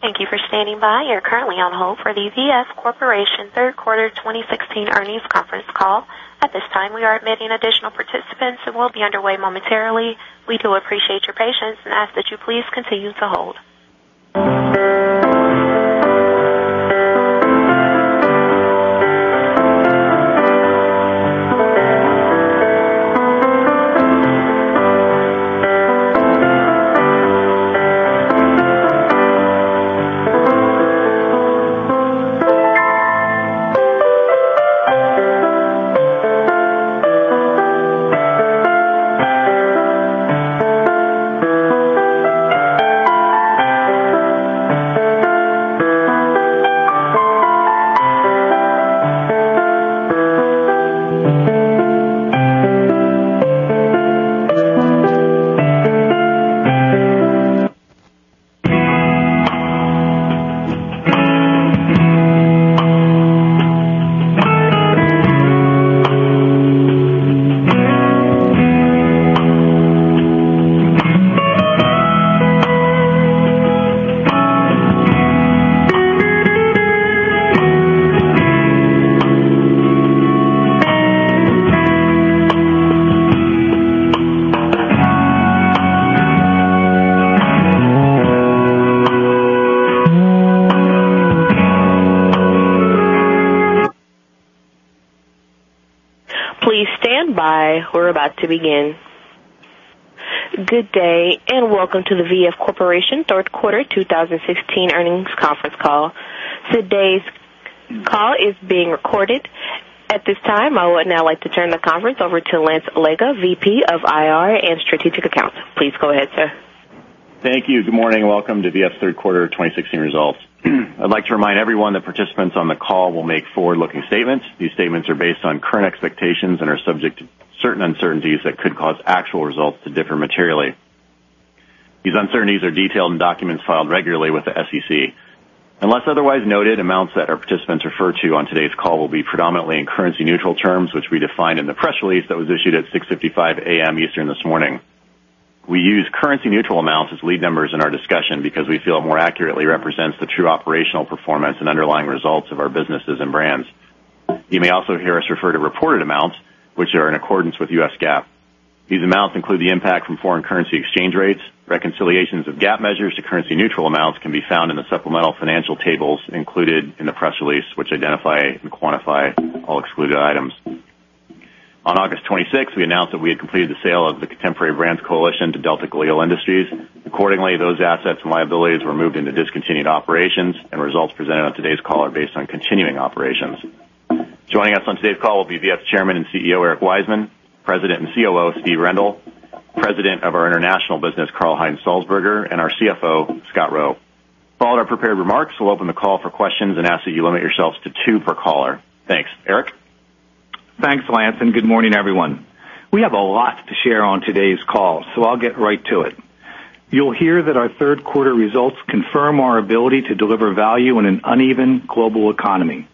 Thank you for standing by. You are currently on hold for the V.F. Corporation third quarter 2016 earnings conference call. At this time, we are admitting additional participants and will be underway momentarily. We do appreciate your patience and ask that you please continue to hold. Please stand by. We are about to begin. Good day, and welcome to the V.F. Corporation third quarter 2016 earnings conference call. Today's call is being recorded. At this time, I would now like to turn the conference over to Lance Allega, VP of IR and Strategic Accounts. Please go ahead, sir. Thank you. Good morning. Welcome to V.F.'s third quarter 2016 results. I'd like to remind everyone that participants on the call will make forward-looking statements. These statements are based on current expectations and are subject to certain uncertainties that could cause actual results to differ materially. These uncertainties are detailed in documents filed regularly with the SEC. Unless otherwise noted, amounts that our participants refer to on today's call will be predominantly in currency neutral terms, which we define in the press release that was issued at 6:55 A.M. Eastern this morning. We use currency neutral amounts as lead numbers in our discussion because we feel it more accurately represents the true operational performance and underlying results of our businesses and brands. You may also hear us refer to reported amounts, which are in accordance with U.S. GAAP. These amounts include the impact from foreign currency exchange rates. Reconciliations of GAAP measures to currency neutral amounts can be found in the supplemental financial tables included in the press release, which identify and quantify all excluded items. On August 26th, we announced that we had completed the sale of the Contemporary Brands Coalition to Delta Galil Industries. Accordingly, those assets and liabilities were moved into discontinued operations, and results presented on today's call are based on continuing operations. Joining us on today's call will be V.F.'s Chairman and CEO, Eric Wiseman; President and COO, Steve Rendle; President of our International business, Karl Heinz Salzburger, and our CFO, Scott Roe. Following our prepared remarks, we'll open the call for questions and ask that you limit yourselves to two per caller. Thanks. Eric? Thanks, Lance, and good morning, everyone. We have a lot to share on today's call, so I'll get right to it. You'll hear that our third quarter results confirm our ability to deliver value in an uneven global economy.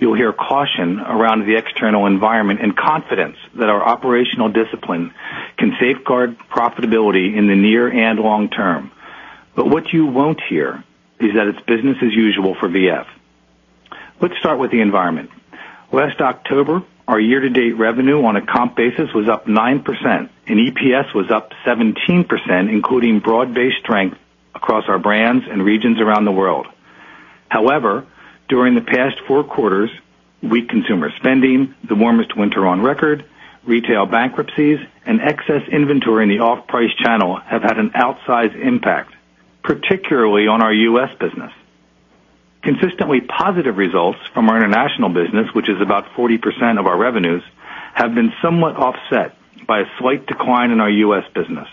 You'll hear caution around the external environment and confidence that our operational discipline can safeguard profitability in the near and long term. What you won't hear is that it's business as usual for V.F. Let's start with the environment. Last October, our year-to-date revenue on a comp basis was up 9%, and EPS was up 17%, including broad-based strength across our brands and regions around the world. However, during the past four quarters, weak consumer spending, the warmest winter on record, retail bankruptcies, and excess inventory in the off-price channel have had an outsized impact, particularly on our U.S. business. Consistently positive results from our international business, which is about 40% of our revenues, have been somewhat offset by a slight decline in our U.S. business.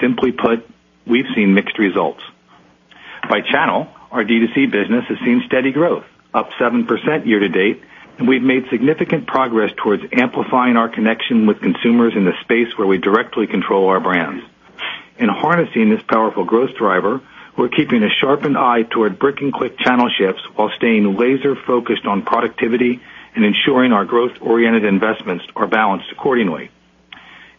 Simply put, we've seen mixed results. By channel, our D2C business has seen steady growth, up 7% year to date, and we've made significant progress towards amplifying our connection with consumers in the space where we directly control our brands. In harnessing this powerful growth driver, we're keeping a sharpened eye toward brick-and-click channel shifts while staying laser-focused on productivity and ensuring our growth-oriented investments are balanced accordingly.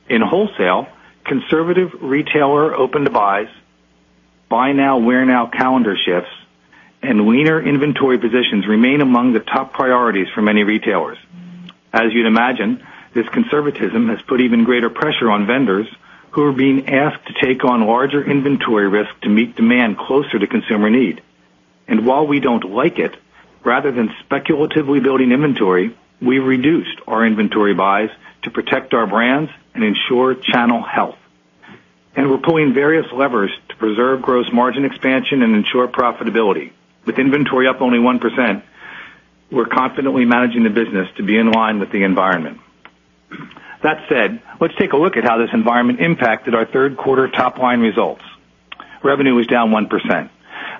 In wholesale, conservative retailer open-to-buys, buy now, wear now calendar shifts, and leaner inventory positions remain among the top priorities for many retailers. As you'd imagine, this conservatism has put even greater pressure on vendors who are being asked to take on larger inventory risk to meet demand closer to consumer need. While we don't like it, rather than speculatively building inventory, we reduced our inventory buys to protect our brands and ensure channel health. We're pulling various levers to preserve gross margin expansion and ensure profitability. With inventory up only 1%, we're confidently managing the business to be in line with the environment. That said, let's take a look at how this environment impacted our third quarter top-line results. Revenue was down 1%.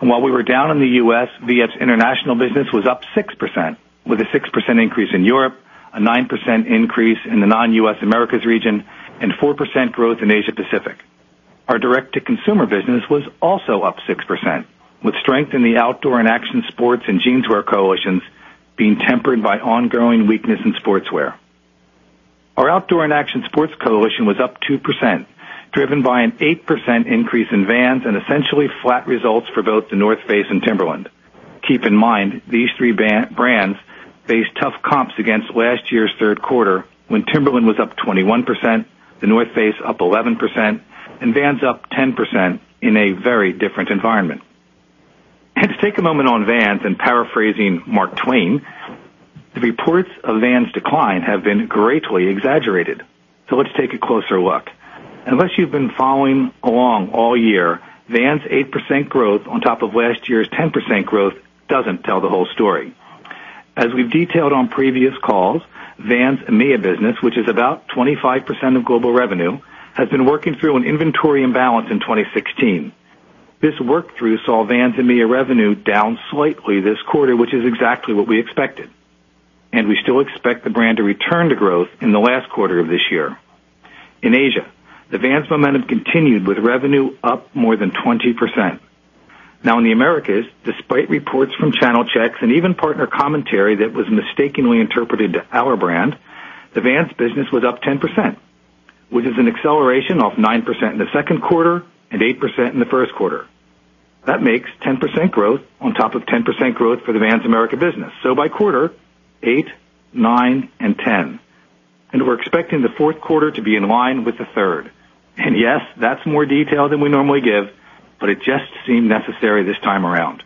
While we were down in the U.S., V.F.'s international business was up 6%, with a 6% increase in Europe, a 9% increase in the non-U.S. Americas region, and 4% growth in Asia Pacific. Our direct-to-consumer business was also up 6%, with strength in the Outdoor & Action Sports and Jeanswear coalitions being tempered by ongoing weakness in Sportswear. Our Outdoor & Action Sports coalition was up 2%, driven by an 8% increase in Vans and essentially flat results for both The North Face and Timberland. Keep in mind, these three brands faced tough comps against last year's third quarter, when Timberland was up 21%, The North Face up 11%, and Vans up 10% in a very different environment. To take a moment on Vans and paraphrasing Mark Twain, the reports of Vans' decline have been greatly exaggerated. Let's take a closer look. Unless you've been following along all year, Vans' 8% growth on top of last year's 10% growth doesn't tell the whole story. As we've detailed on previous calls, Vans' EMEA business, which is about 25% of global revenue, has been working through an inventory imbalance in 2016. This work-through saw Vans EMEA revenue down slightly this quarter, which is exactly what we expected. We still expect the brand to return to growth in the last quarter of this year. In Asia, the Vans momentum continued with revenue up more than 20%. Now in the Americas, despite reports from channel checks and even partner commentary that was mistakenly interpreted to our brand, the Vans business was up 10%, which is an acceleration off 9% in the second quarter and 8% in the first quarter. That makes 10% growth on top of 10% growth for the Vans America business. By quarter, 8, 9, and 10. We're expecting the fourth quarter to be in line with the third. Yes, that's more detail than we normally give, but it just seemed necessary this time around.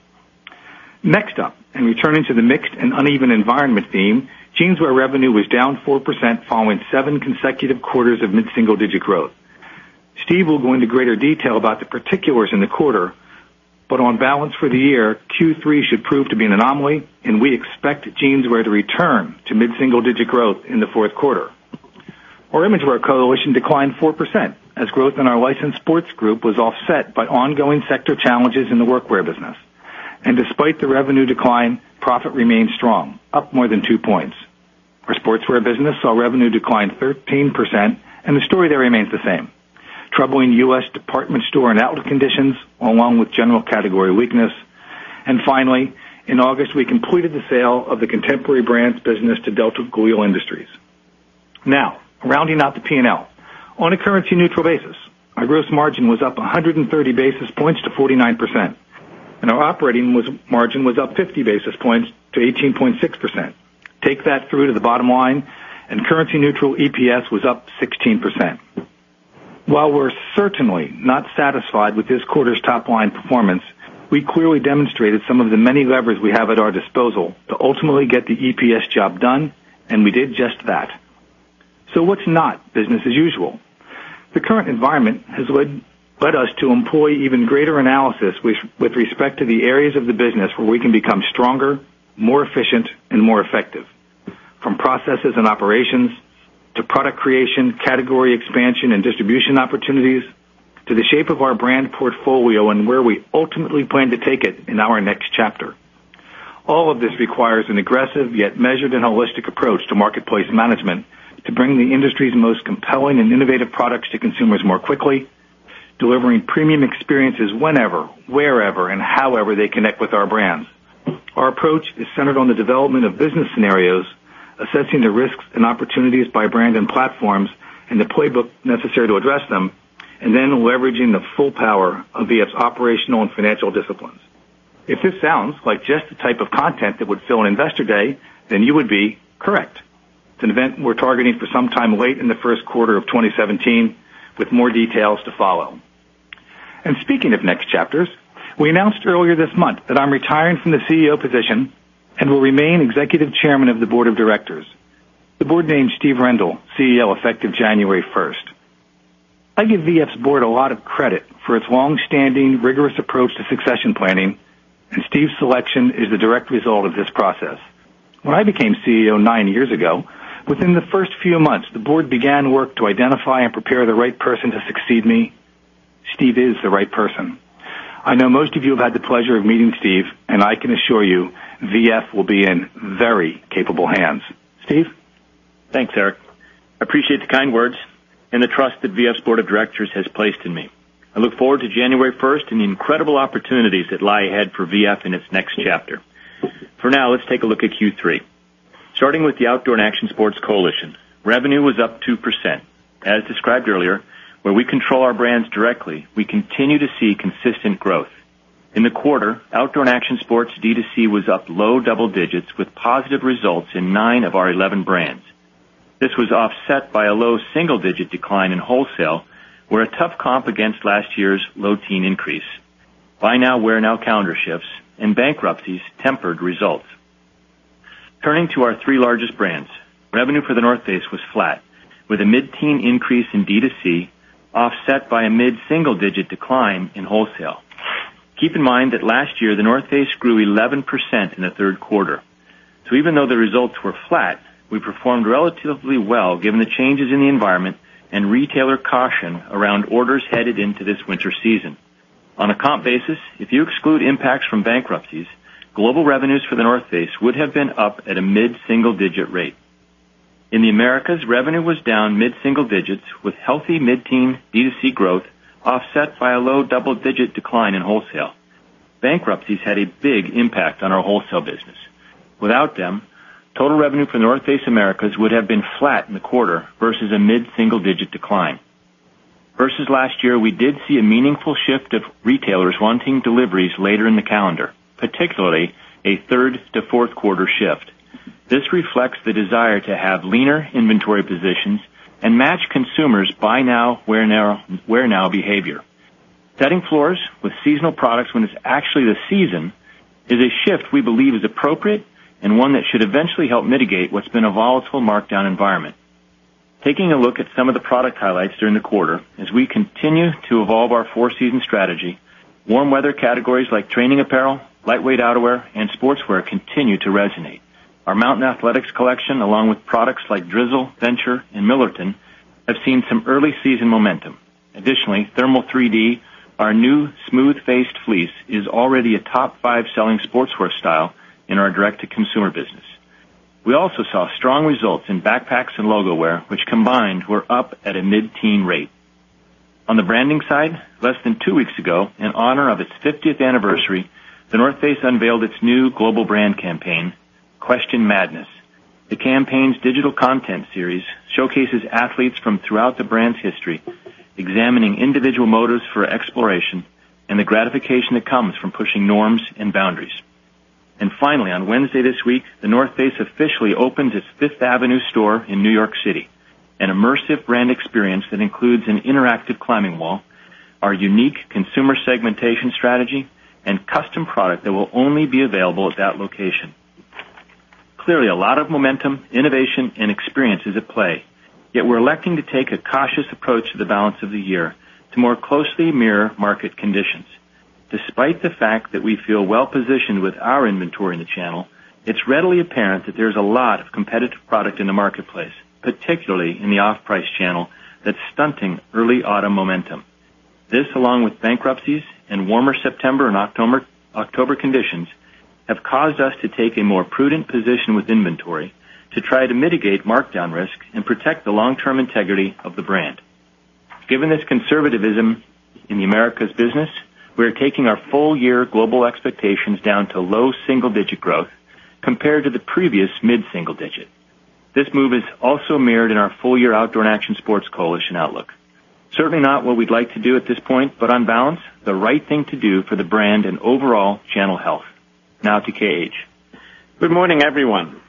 Next up, returning to the mixed and uneven environment theme, Jeanswear revenue was down 4% following seven consecutive quarters of mid-single-digit growth. Steve will go into greater detail about the particulars in the quarter, but on balance for the year, Q3 should prove to be an anomaly, we expect Jeanswear to return to mid-single-digit growth in the fourth quarter. Our Imagewear coalition declined 4%, as growth in our licensed sports group was offset by ongoing sector challenges in the workwear business. Despite the revenue decline, profit remained strong, up more than two points. Our Sportswear business saw revenue decline 13%, and the story there remains the same. Troubling U.S. department store and outlet conditions, along with general category weakness. Finally, in August, we completed the sale of the Contemporary Brands business to Delta Galil Industries. Now, rounding out the P&L. On a currency-neutral basis, our gross margin was up 130 basis points to 49%, and our operating margin was up 50 basis points to 18.6%. Take that through to the bottom line, currency-neutral EPS was up 16%. While we're certainly not satisfied with this quarter's top-line performance, we clearly demonstrated some of the many levers we have at our disposal to ultimately get the EPS job done, and we did just that. What's not business as usual? The current environment has led us to employ even greater analysis with respect to the areas of the business where we can become stronger, more efficient, and more effective. From processes and operations to product creation, category expansion, and distribution opportunities, to the shape of our brand portfolio and where we ultimately plan to take it in our next chapter. All of this requires an aggressive, yet measured and holistic approach to marketplace management to bring the industry's most compelling and innovative products to consumers more quickly, delivering premium experiences whenever, wherever, and however they connect with our brands. Our approach is centered on the development of business scenarios, assessing the risks and opportunities by brand and platforms, and the playbook necessary to address them, and then leveraging the full power of VF's operational and financial disciplines. If this sounds like just the type of content that would fill an Investor Day, then you would be correct. It's an event we're targeting for some time late in the first quarter of 2017, with more details to follow. Speaking of next chapters, we announced earlier this month that I'm retiring from the CEO position and will remain Executive Chairman of the Board of Directors. The board named Steve Rendle CEO effective January 1st. I give VF's board a lot of credit for its longstanding, rigorous approach to succession planning, and Steve's selection is the direct result of this process. When I became CEO nine years ago, within the first few months, the board began work to identify and prepare the right person to succeed me. Steve is the right person. I know most of you have had the pleasure of meeting Steve, and I can assure you VF will be in very capable hands. Steve? Thanks, Eric. I appreciate the kind words and the trust that VF's board of directors has placed in me. I look forward to January 1st and the incredible opportunities that lie ahead for VF in its next chapter. For now, let's take a look at Q3. Starting with the Outdoor & Action Sports coalition. Revenue was up 2%. As described earlier, where we control our brands directly, we continue to see consistent growth. In the quarter, Outdoor & Action Sports D2C was up low double digits with positive results in 9 of our 11 brands. This was offset by a low single-digit decline in wholesale, where a tough comp against last year's low teen increase. buy now, wear now calendar shifts and bankruptcies tempered results. Turning to our 3 largest brands. Revenue for The North Face was flat, with a mid-teen increase in D2C offset by a mid-single-digit decline in wholesale. Keep in mind that last year, The North Face grew 11% in the third quarter. So even though the results were flat, we performed relatively well given the changes in the environment and retailer caution around orders headed into this winter season. On a comp basis, if you exclude impacts from bankruptcies, global revenues for The North Face would have been up at a mid-single-digit rate. In the Americas, revenue was down mid-single digits with healthy mid-teen D2C growth offset by a low double-digit decline in wholesale. Bankruptcies had a big impact on our wholesale business. Without them, total revenue for The North Face Americas would have been flat in the quarter versus a mid-single-digit decline. Versus last year, we did see a meaningful shift of retailers wanting deliveries later in the calendar, particularly a third to fourth quarter shift. This reflects the desire to have leaner inventory positions and match consumers' buy now, wear now behavior. Setting floors with seasonal products when it's actually the season is a shift we believe is appropriate and one that should eventually help mitigate what's been a volatile markdown environment. Taking a look at some of the product highlights during the quarter, as we continue to evolve our four-season strategy, warm weather categories like training apparel, lightweight outerwear, and sportswear continue to resonate. Our Mountain Athletics collection, along with products like Drizzle, Venture, and Millerton, have seen some early season momentum. Additionally, ThermoBall 3D, our new smooth-faced fleece, is already a top 5 selling sportswear style in our direct-to-consumer business. We also saw strong results in backpacks and logo wear, which combined were up at a mid-teen rate. On the branding side, less than two weeks ago, in honor of its 50th anniversary, The North Face unveiled its new global brand campaign, Question Madness. The campaign's digital content series showcases athletes from throughout the brand's history, examining individual motives for exploration and the gratification that comes from pushing norms and boundaries. And finally, on Wednesday this week, The North Face officially opened its Fifth Avenue store in New York City, an immersive brand experience that includes an interactive climbing wall, our unique consumer segmentation strategy, and custom product that will only be available at that location. Clearly, a lot of momentum, innovation, and experience is at play. Yet we're electing to take a cautious approach to the balance of the year to more closely mirror market conditions. Despite the fact that we feel well-positioned with our inventory in the channel, it's readily apparent that there's a lot of competitive product in the marketplace, particularly in the off-price channel, that's stunting early autumn momentum. This, along with bankruptcies and warmer September and October conditions, have caused us to take a more prudent position with inventory to try to mitigate markdown risk and protect the long-term integrity of the brand. Given this conservativism in the Americas business, we are taking our full year global expectations down to low single-digit growth compared to the previous mid-single-digit. This move is also mirrored in our full-year Outdoor & Action Sports coalition outlook. Certainly not what we'd like to do at this point, but on balance, the right thing to do for the brand and overall channel health. Now to KH. Good morning, everyone.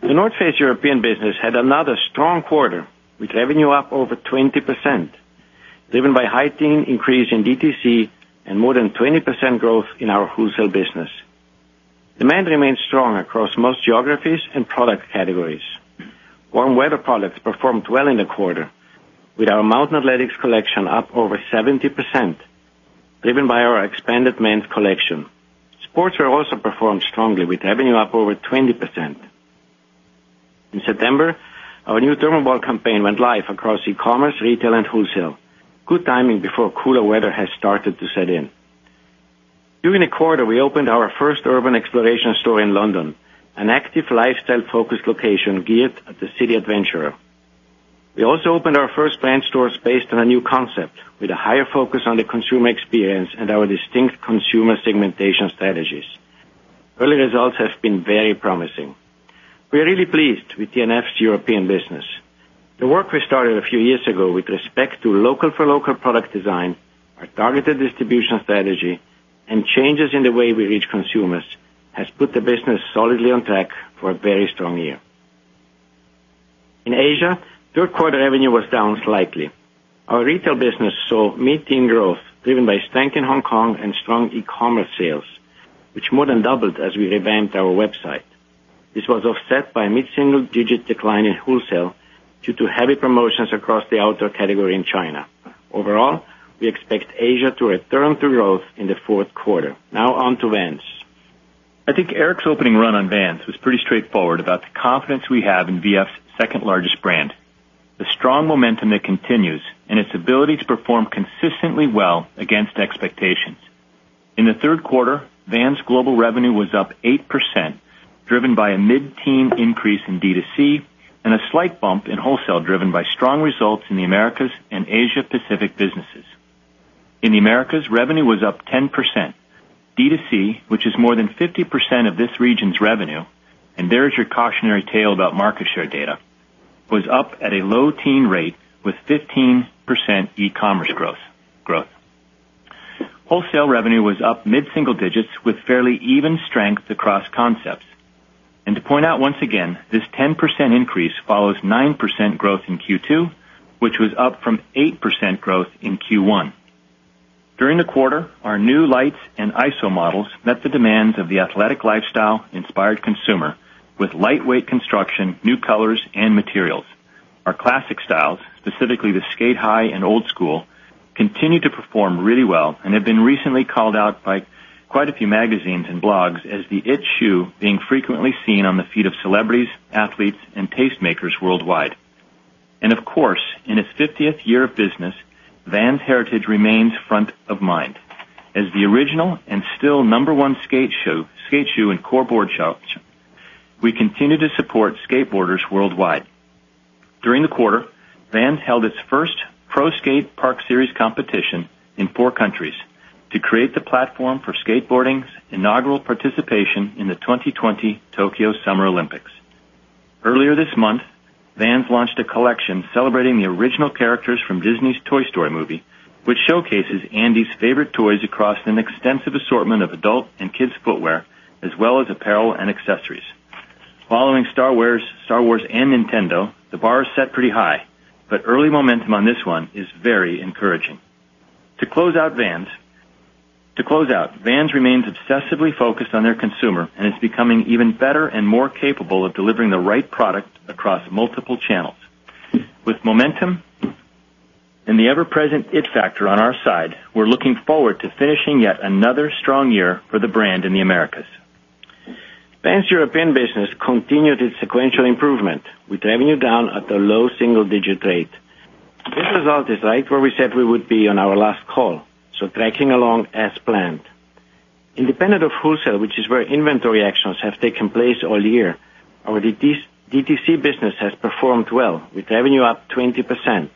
The North Face European business had another strong quarter, with revenue up over 20%, driven by high-teen increase in DTC and more than 20% growth in our wholesale business. Demand remains strong across most geographies and product categories. Warm-weather products performed well in the quarter, with our Mountain Athletics collection up over 70%, driven by our expanded men's collection. Sportswear also performed strongly, with revenue up over 20%. In September, our new ThermoBall campaign went live across e-commerce, retail, and wholesale. Good timing before cooler weather has started to set in. During the quarter, we opened our first urban exploration store in London, an active lifestyle-focused location geared at the city adventurer. We also opened our first brand stores based on a new concept with a higher focus on the consumer experience and our distinct consumer segmentation strategies. Early results have been very promising. We are really pleased with TNF's European business. The work we started a few years ago with respect to local-for-local product design, our targeted distribution strategy, and changes in the way we reach consumers, has put the business solidly on track for a very strong year. In Asia, third-quarter revenue was down slightly. Our retail business saw mid-teen growth driven by strength in Hong Kong and strong e-commerce sales, which more than doubled as we revamped our website. This was offset by a mid-single-digit decline in wholesale due to heavy promotions across the outdoor category in China. Overall, we expect Asia to return to growth in the fourth quarter. Now on to Vans. I think Eric's opening run on Vans was pretty straightforward about the confidence we have in VF's second largest brand, the strong momentum that continues, and its ability to perform consistently well against expectations. In the third quarter, Vans' global revenue was up 8%, driven by a mid-teen increase in D2C and a slight bump in wholesale driven by strong results in the Americas and Asia Pacific businesses. In the Americas, revenue was up 10%. D2C, which is more than 50% of this region's revenue, and there is your cautionary tale about market share data, was up at a low-teen rate with 15% e-commerce growth. Wholesale revenue was up mid-single-digits with fairly even strength across concepts. To point out once again, this 10% increase follows 9% growth in Q2, which was up from 8% growth in Q1. During the quarter, our new Lite and ISO models met the demands of the athletic lifestyle-inspired consumer with lightweight construction, new colors, and materials. Our classic styles, specifically the Sk8-Hi and Old Skool, continue to perform really well and have been recently called out by quite a few magazines and blogs as the it shoe being frequently seen on the feet of celebrities, athletes, and tastemakers worldwide. In its 50th year of business, Vans' heritage remains front of mind. As the original and still number one skate shoe and core board shop, we continue to support skateboarders worldwide. During the quarter, Vans held its first Pro Skate Park Series competition in four countries to create the platform for skateboarding's inaugural participation in the 2020 Tokyo Summer Olympics. Earlier this month, Vans launched a collection celebrating the original characters from Disney's Toy Story movie, which showcases Andy's favorite toys across an extensive assortment of adult and kids' footwear, as well as apparel and accessories. Following Star Wars and Nintendo, the bar is set pretty high, but early momentum on this one is very encouraging. To close out, Vans remains obsessively focused on their consumer and is becoming even better and more capable of delivering the right product across multiple channels. With momentum and the ever-present it factor on our side, we're looking forward to finishing yet another strong year for the brand in the Americas. Vans European business continued its sequential improvement, with revenue down at the low single-digit rate. This result is right where we said we would be on our last call, so tracking along as planned. Independent of wholesale, which is where inventory actions have taken place all year, our DTC business has performed well, with revenue up 20%.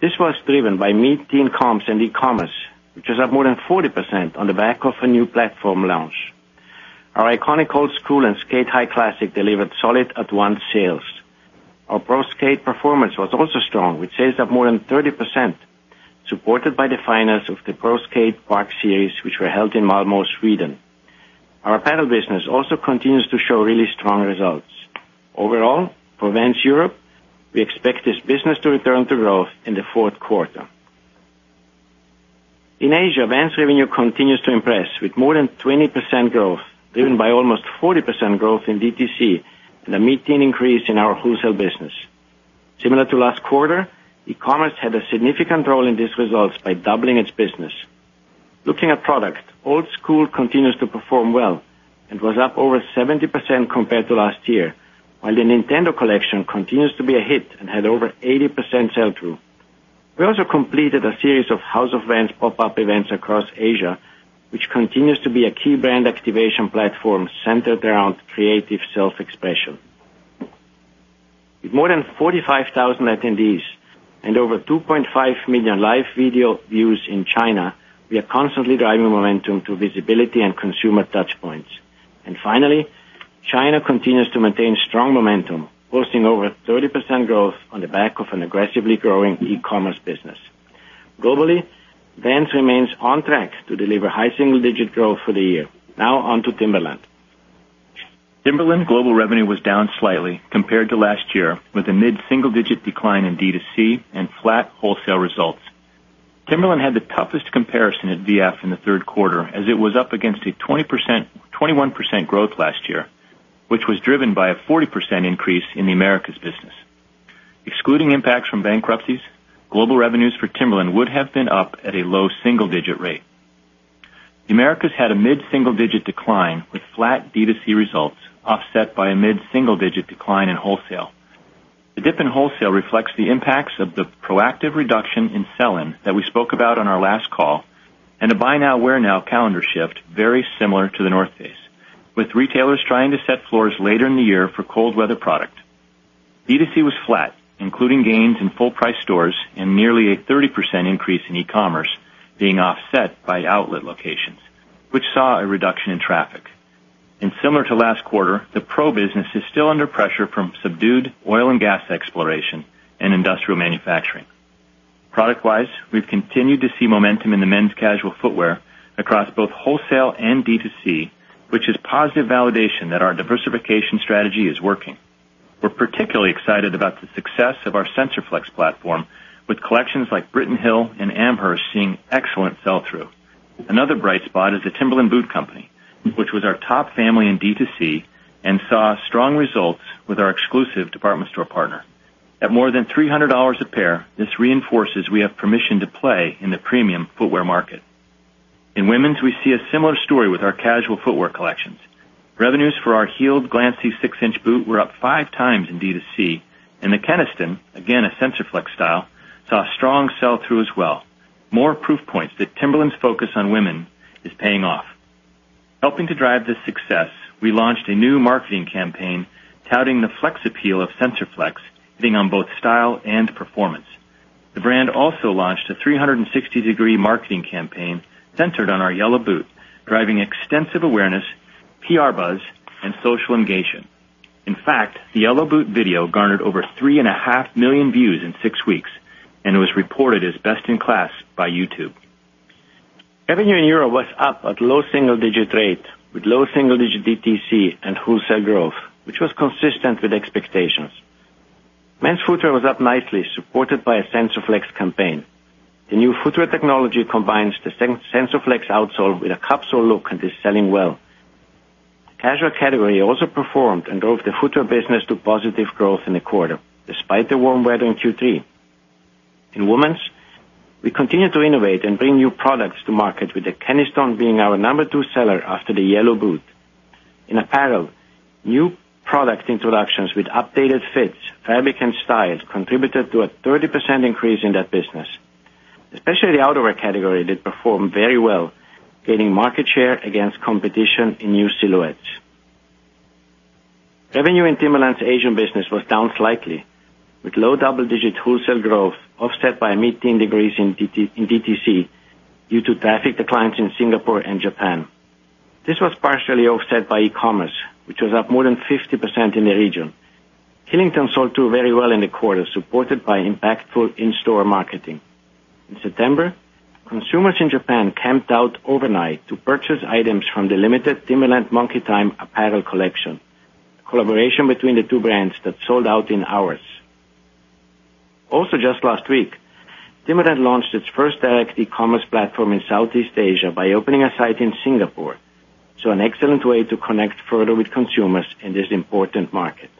This was driven by mid-teen comps in e-commerce, which is up more than 40% on the back of a new platform launch. Our iconic Old Skool and Sk8-Hi classic delivered solid at-once sales. Our Pro Skate performance was also strong, with sales up more than 30%, supported by the finals of the Pro Skate Park Series, which were held in Malmö, Sweden. Our apparel business also continues to show really strong results. Overall, for Vans Europe, we expect this business to return to growth in the fourth quarter. In Asia, Vans revenue continues to impress with more than 20% growth, driven by almost 40% growth in DTC and a mid-teen increase in our wholesale business. Similar to last quarter, e-commerce had a significant role in these results by doubling its business. Looking at product, Old Skool continues to perform well and was up over 70% compared to last year, while the Nintendo collection continues to be a hit and had over 80% sell-through. We also completed a series of House of Vans pop-up events across Asia, which continues to be a key brand activation platform centered around creative self-expression. With more than 45,000 attendees and over 2.5 million live video views in China, we are constantly driving momentum to visibility and consumer touchpoints. Finally, China continues to maintain strong momentum, boasting over 30% growth on the back of an aggressively growing e-commerce business. Globally, Vans remains on track to deliver high single-digit growth for the year. Now on to Timberland. Timberland global revenue was down slightly compared to last year, with a mid-single-digit decline in D2C and flat wholesale results. Timberland had the toughest comparison at V.F. in the third quarter, as it was up against a 21% growth last year, which was driven by a 40% increase in the Americas business. Excluding impacts from bankruptcies, global revenues for Timberland would have been up at a low single-digit rate. The Americas had a mid-single-digit decline, with flat D2C results offset by a mid-single-digit decline in wholesale. The dip in wholesale reflects the impacts of the proactive reduction in sell-in that we spoke about on our last call, and a buy now, wear now calendar shift very similar to The North Face, with retailers trying to set floors later in the year for cold weather product. D2C was flat, including gains in full price stores and nearly a 30% increase in e-commerce being offset by outlet locations, which saw a reduction in traffic. Similar to last quarter, the pro business is still under pressure from subdued oil and gas exploration and industrial manufacturing. Product-wise, we've continued to see momentum in the men's casual footwear across both wholesale and D2C, which is positive validation that our diversification strategy is working. We're particularly excited about the success of our SensorFlex platform, with collections like Britton Hill and Amherst seeing excellent sell-through. Another bright spot is the Timberland Boot Company, which was our top family in D2C and saw strong results with our exclusive department store partner. At more than $300 a pair, this reinforces we have permission to play in the premium footwear market. In women's, we see a similar story with our casual footwear collections. Revenues for our heeled Glancy six-inch boot were up five times in D2C, and the Kenniston, again, a SensorFlex style, saw strong sell-through as well. More proof points that Timberland's focus on women is paying off. Helping to drive this success, we launched a new marketing campaign touting the flex appeal of SensorFlex, hitting on both style and performance. The brand also launched a 360-degree marketing campaign centered on our yellow boot, driving extensive awareness, PR buzz, and social engagement. In fact, the yellow boot video garnered over three and a half million views in six weeks and was reported as best in class by YouTube. Revenue in Europe was up at low single-digit rate with low single-digit DTC and wholesale growth, which was consistent with expectations. Men's footwear was up nicely, supported by a SensorFlex campaign. The new footwear technology combines the SensorFlex outsole with a cupsole look and is selling well. The casual category also performed and drove the footwear business to positive growth in the quarter, despite the warm weather in Q3. In women's, we continue to innovate and bring new products to market, with the Kenniston being our number two seller after the yellow boot. In apparel, new product introductions with updated fits, fabric, and style contributed to a 30% increase in that business. Especially the outerwear category that performed very well, gaining market share against competition in new silhouettes. Revenue in Timberland's Asian business was down slightly, with low double-digit wholesale growth offset by a mid-teen decrease in DTC due to traffic declines in Singapore and Japan. This was partially offset by e-commerce, which was up more than 50% in the region. Killington sold very well in the quarter, supported by impactful in-store marketing. In September, consumers in Japan camped out overnight to purchase items from the limited Timberland monkey time apparel collection, a collaboration between the two brands that sold out in hours. Just last week, Timberland launched its first direct e-commerce platform in Southeast Asia by opening a site in Singapore. An excellent way to connect further with consumers in this important market.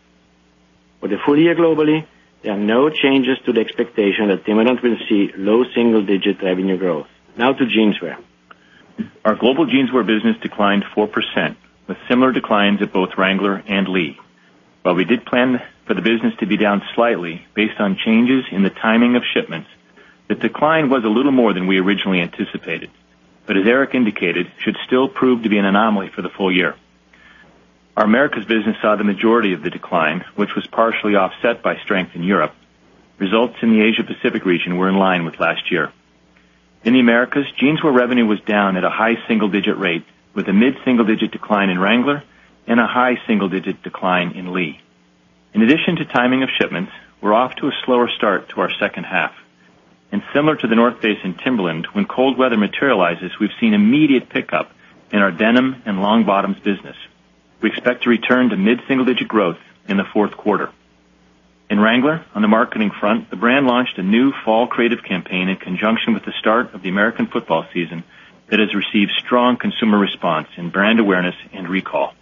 For the full year globally, there are no changes to the expectation that Timberland will see low single-digit revenue growth. Now to Jeanswear. Our global Jeanswear business declined 4%, with similar declines at both Wrangler and Lee. While we did plan for the business to be down slightly based on changes in the timing of shipments, the decline was a little more than we originally anticipated. As Eric indicated, should still prove to be an anomaly for the full year. Our Americas business saw the majority of the decline, which was partially offset by strength in Europe. Results in the Asia Pacific region were in line with last year. In the Americas, Jeanswear revenue was down at a high single-digit rate, with a mid-single-digit decline in Wrangler and a high single-digit decline in Lee. In addition to timing of shipments, we're off to a slower start to our second half. Similar to The North Face and Timberland, when cold weather materializes, we've seen immediate pickup in our denim and long bottoms business. We expect to return to mid-single-digit growth in the fourth quarter. In Wrangler, on the marketing front, the brand launched a new fall creative campaign in conjunction with the start of the American football season that has received strong consumer response in brand awareness and recall.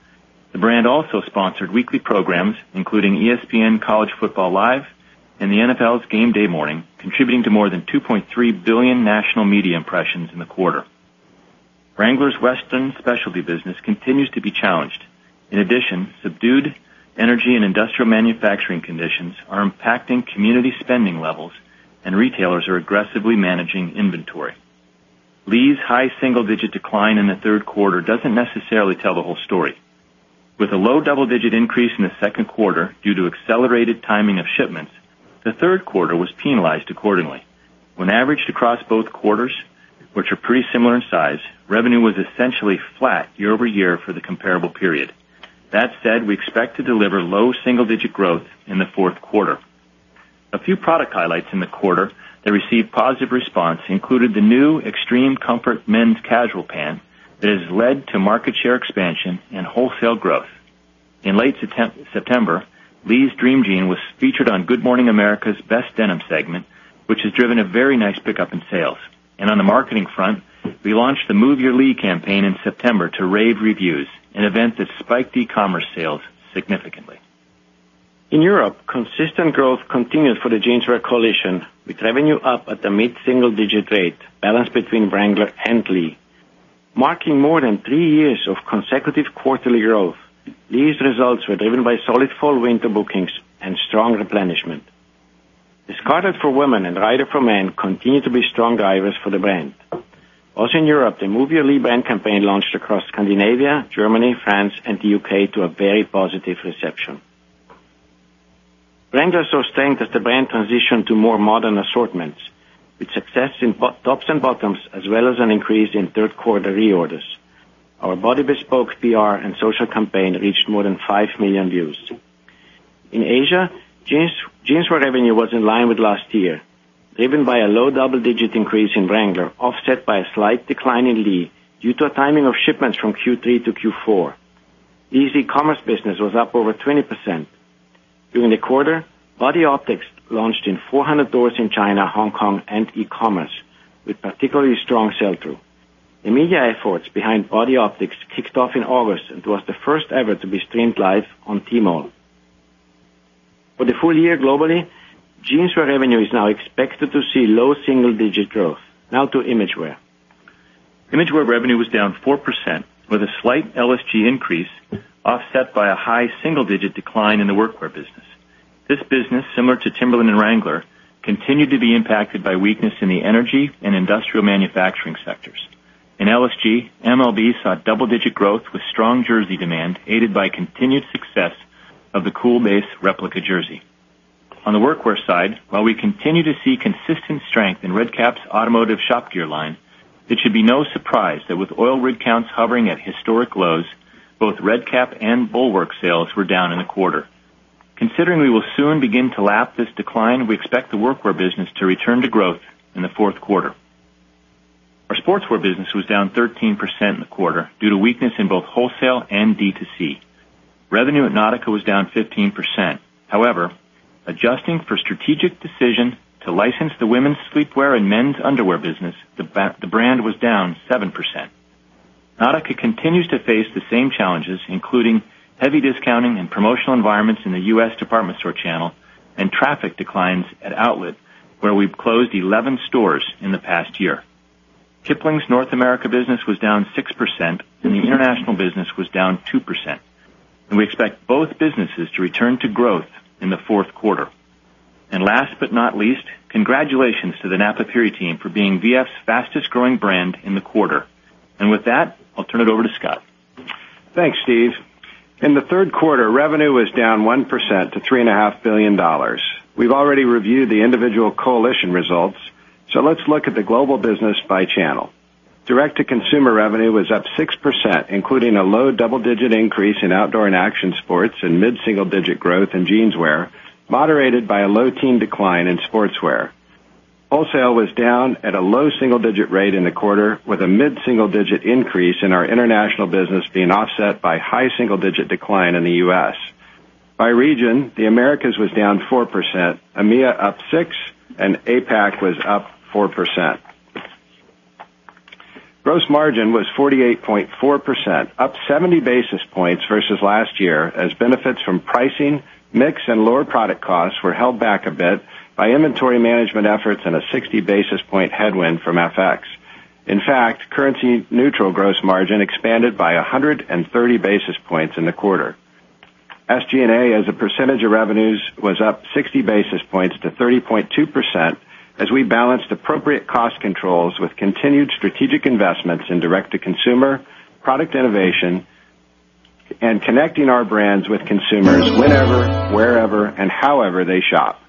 The brand also sponsored weekly programs, including ESPN College Football Live and the NFL's GameDay Morning, contributing to more than $2.3 billion national media impressions in the quarter. Wrangler's Western specialty business continues to be challenged. In addition, subdued energy and industrial manufacturing conditions are impacting community spending levels, and retailers are aggressively managing inventory. Lee's high single-digit decline in the third quarter doesn't necessarily tell the whole story. With a low double-digit increase in the second quarter due to accelerated timing of shipments, the third quarter was penalized accordingly. When averaged across both quarters, which are pretty similar in size, revenue was essentially flat year-over-year for the comparable period. That said, we expect to deliver low single-digit growth in the fourth quarter. A few product highlights in the quarter that received positive response included the new Extreme Comfort men's casual pant that has led to market share expansion and wholesale growth. In late September, Lee's Dream Jean was featured on Good Morning America's Best Denim segment, which has driven a very nice pickup in sales. On the marketing front, we launched the Move Your Lee campaign in September to rave reviews, an event that spiked e-commerce sales significantly. In Europe, consistent growth continued for the Jeanswear coalition, with revenue up at a mid-single digit rate balanced between Wrangler and Lee. Marking more than three years of consecutive quarterly growth, these results were driven by solid fall-winter bookings and strong replenishment. [Discarded] for women and Riders for men continued to be strong drivers for the brand. Also in Europe, the Move Your Lee brand campaign launched across Scandinavia, Germany, France, and the U.K. to a very positive reception. Wrangler saw strength as the brand transitioned to more modern assortments, with success in both tops and bottoms, as well as an increase in third quarter reorders. Our Body Bespoke PR and social campaign reached more than 5 million views. In Asia, Jeanswear revenue was in line with last year, driven by a low double-digit increase in Wrangler, offset by a slight decline in Lee due to timing of shipments from Q3 to Q4. Lee's e-commerce business was up over 20%. During the quarter, Body Optix launched in 400 stores in China, Hong Kong, and e-commerce, with particularly strong sell-through. The media efforts behind Body Optix kicked off in August and was the first ever to be streamed live on Tmall. For the full year globally, Jeanswear revenue is now expected to see low single-digit growth. To Imagewear. Imagewear revenue was down 4%, with a slight LSG increase offset by a high single-digit decline in the workwear business. This business, similar to Timberland and Wrangler, continued to be impacted by weakness in the energy and industrial manufacturing sectors. In LSG, MLB saw double-digit growth with strong jersey demand, aided by continued success of the Cool Base replica jersey. On the workwear side, while we continue to see consistent strength in Red Kap's automotive shop gear line, it should be no surprise that with oil rig counts hovering at historic lows, both Red Kap and Bulwark sales were down in the quarter. Considering we will soon begin to lap this decline, we expect the workwear business to return to growth in the fourth quarter. Our Sportswear business was down 13% in the quarter due to weakness in both wholesale and D2C. Revenue at Nautica was down 15%. However, adjusting for strategic decision to license the women's sleepwear and men's underwear business, the brand was down 7%. Nautica continues to face the same challenges, including heavy discounting and promotional environments in the U.S. department store channel and traffic declines at outlet, where we've closed 11 stores in the past year. Kipling's North America business was down 6%. The international business was down 2%. We expect both businesses to return to growth in the fourth quarter. Last but not least, congratulations to the Napapijri team for being VF's fastest-growing brand in the quarter. With that, I'll turn it over to Scott. Thanks, Steve. In the third quarter, revenue was down 1% to $3.5 billion. We've already reviewed the individual coalition results, so let's look at the global business by channel. Direct-to-consumer revenue was up 6%, including a low double-digit increase in Outdoor & Action Sports and mid-single-digit growth in Jeanswear, moderated by a low teen decline in Sportswear. Wholesale was down at a low single-digit rate in the quarter, with a mid-single-digit increase in our international business being offset by high single-digit decline in the U.S. By region, the Americas was down 4%, EMEA up 6%, APAC was up 4%. Gross margin was 48.4%, up 70 basis points versus last year, as benefits from pricing, mix, and lower product costs were held back a bit by inventory management efforts and a 60-basis-point headwind from FX. In fact, currency-neutral gross margin expanded by 130 basis points in the quarter. SG&A as a percentage of revenues was up 60 basis points to 30.2% as we balanced appropriate cost controls with continued strategic investments in direct-to-consumer, product innovation, and connecting our brands with consumers whenever, wherever, and however they shop.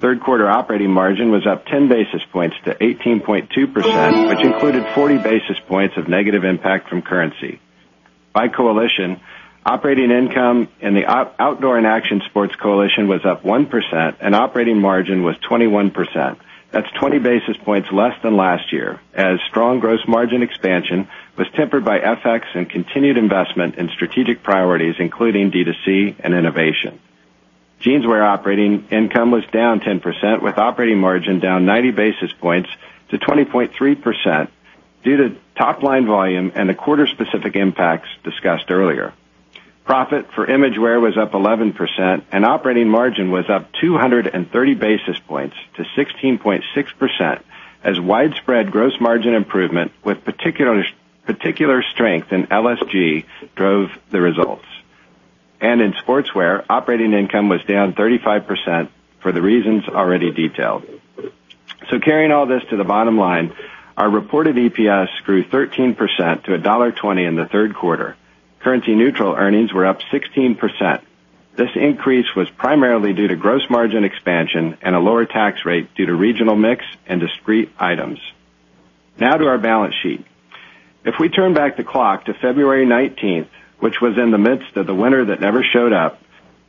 Third quarter operating margin was up 10 basis points to 18.2%, which included 40 basis points of negative impact from currency. By coalition, operating income in the Outdoor & Action Sports coalition was up 1%. Operating margin was 21%. That's 20 basis points less than last year as strong gross margin expansion was tempered by FX and continued investment in strategic priorities, including D2C and innovation. Jeanswear operating income was down 10%, with operating margin down 90 basis points to 20.3% due to top-line volume and the quarter-specific impacts discussed earlier. Profit for Imagewear was up 11%. Operating margin was up 230 basis points to 16.6% as widespread gross margin improvement with particular strength in LSG drove the results. In Sportswear, operating income was down 35% for the reasons already detailed. Carrying all this to the bottom line, our reported EPS grew 13% to $1.20 in the third quarter. Currency-neutral earnings were up 16%. This increase was primarily due to gross margin expansion and a lower tax rate due to regional mix and discrete items. Now to our balance sheet. If we turn back the clock to February 19th, which was in the midst of the winter that never showed up,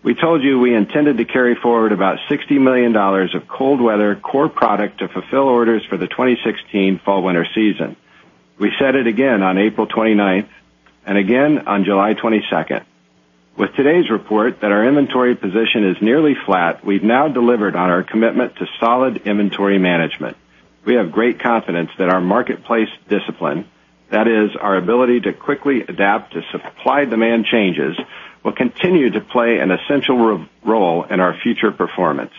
we told you we intended to carry forward about $60 million of cold weather core product to fulfill orders for the 2016 fall/winter season. We said it again on April 29th and again on July 22nd. With today's report that our inventory position is nearly flat, we've now delivered on our commitment to solid inventory management. We have great confidence that our marketplace discipline, that is, our ability to quickly adapt to supply-demand changes, will continue to play an essential role in our future performance.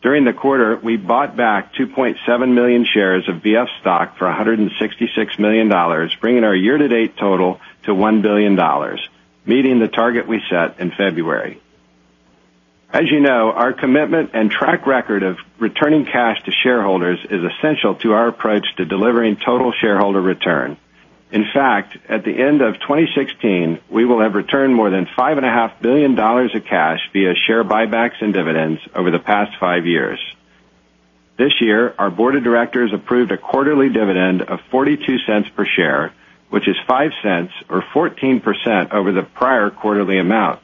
During the quarter, we bought back 2.7 million shares of VF stock for $166 million, bringing our year-to-date total to $1 billion, meeting the target we set in February. As you know, our commitment and track record of returning cash to shareholders is essential to our approach to delivering total shareholder return. In fact, at the end of 2016, we will have returned more than $5.5 billion of cash via share buybacks and dividends over the past five years. This year, our board of directors approved a quarterly dividend of $0.42 per share, which is $0.05 or 14% over the prior quarterly amount.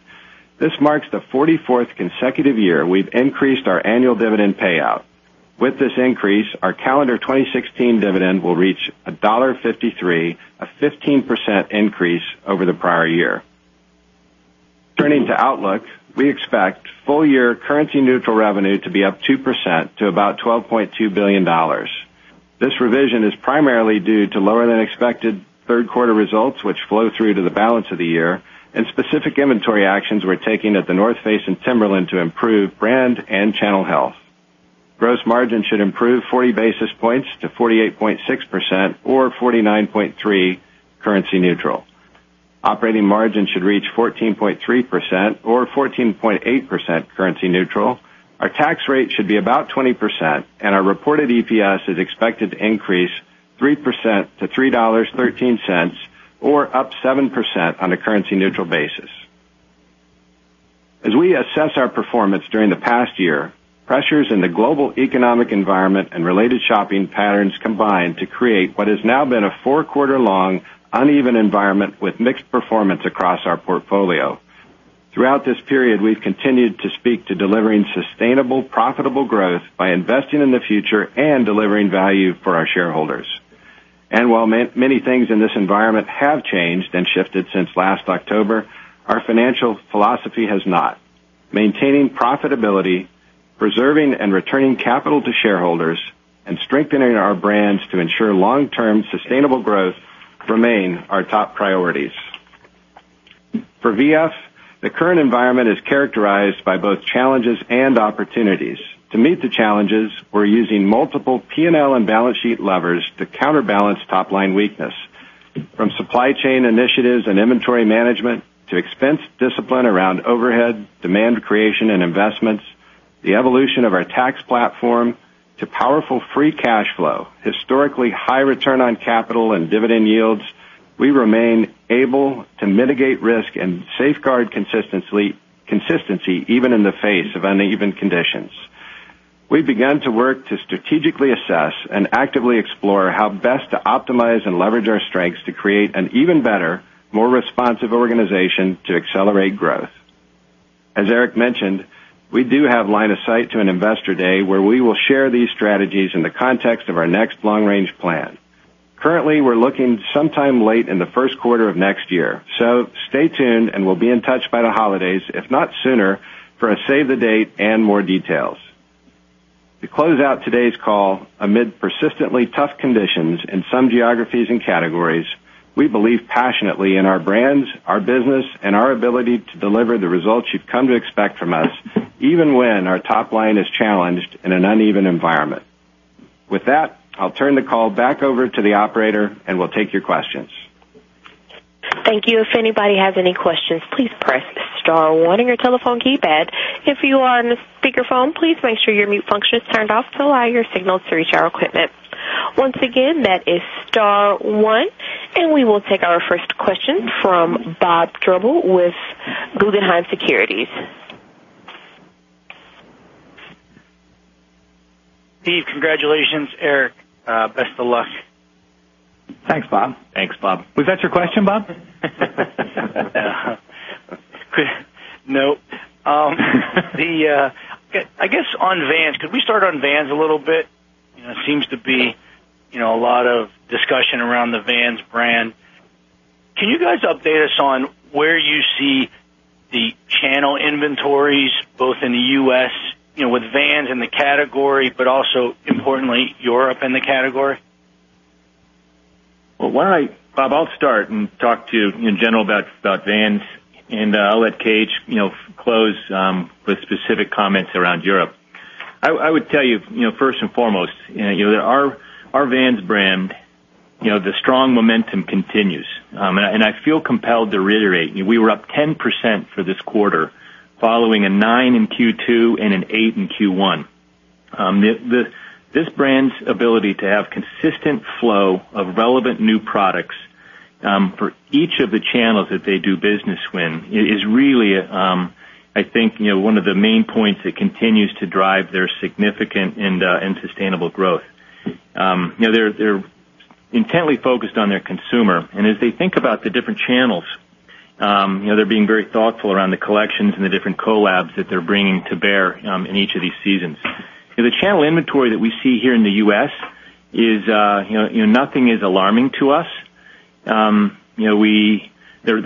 This marks the 44th consecutive year we've increased our annual dividend payout. With this increase, our calendar 2016 dividend will reach $1.53, a 15% increase over the prior year. Turning to outlook, we expect full-year currency-neutral revenue to be up 2% to about $12.2 billion. This revision is primarily due to lower-than-expected third-quarter results, which flow through to the balance of the year, and specific inventory actions we're taking at The North Face and Timberland to improve brand and channel health. Gross margin should improve 40 basis points to 48.6% or 49.3% currency neutral. Operating margin should reach 14.3% or 14.8% currency neutral. Our tax rate should be about 20%, and our reported EPS is expected to increase 3% to $3.13, or up 7% on a currency-neutral basis. As we assess our performance during the past year, pressures in the global economic environment and related shopping patterns combined to create what has now been a four-quarter-long uneven environment with mixed performance across our portfolio. Throughout this period, we've continued to speak to delivering sustainable, profitable growth by investing in the future and delivering value for our shareholders. While many things in this environment have changed and shifted since last October, our financial philosophy has not. Maintaining profitability, preserving and returning capital to shareholders, and strengthening our brands to ensure long-term sustainable growth remain our top priorities. For V.F., the current environment is characterized by both challenges and opportunities. To meet the challenges, we're using multiple P&L and balance sheet levers to counterbalance top-line weakness. From supply chain initiatives and inventory management to expense discipline around overhead, demand creation, and investments, the evolution of our tax platform to powerful free cash flow, historically high return on capital and dividend yields, we remain able to mitigate risk and safeguard consistency even in the face of uneven conditions. We've begun to work to strategically assess and actively explore how best to optimize and leverage our strengths to create an even better, more responsive organization to accelerate growth. As Eric mentioned, we do have line of sight to an investor day where we will share these strategies in the context of our next long-range plan. Currently, we're looking sometime late in the first quarter of next year. Stay tuned and we'll be in touch by the holidays, if not sooner, for a save the date and more details. To close out today's call, amid persistently tough conditions in some geographies and categories, we believe passionately in our brands, our business, and our ability to deliver the results you've come to expect from us, even when our top line is challenged in an uneven environment. With that, I'll turn the call back over to the operator, and we'll take your questions. Thank you. If anybody has any questions, please press star one on your telephone keypad. If you are on speakerphone, please make sure your mute function is turned off to allow your signal to reach our equipment. Once again, that is star one, and we will take our first question from Bob Drbul with Guggenheim Securities. Steve, congratulations. Eric, best of luck. Thanks, Bob. Thanks, Bob. Was that your question, Bob? Nope. I guess on Vans, could we start on Vans a little bit? Seems to be a lot of discussion around the Vans brand. Can you guys update us on where you see the channel inventories, both in the U.S. with Vans in the category, but also importantly, Europe in the category? Well, Bob, I'll start and talk to you in general about Vans, and I'll let KH close with specific comments around Europe. I would tell you, first and foremost, our Vans brand, the strong momentum continues. I feel compelled to reiterate, we were up 10% for this quarter following a nine in Q2 and an eight in Q1. This brand's ability to have consistent flow of relevant new products for each of the channels that they do business with is really, I think, one of the main points that continues to drive their significant and sustainable growth. They're intently focused on their consumer, and as they think about the different channels, they're being very thoughtful around the collections and the different collabs that they're bringing to bear in each of these seasons. The channel inventory that we see here in the U.S., nothing is alarming to us. They're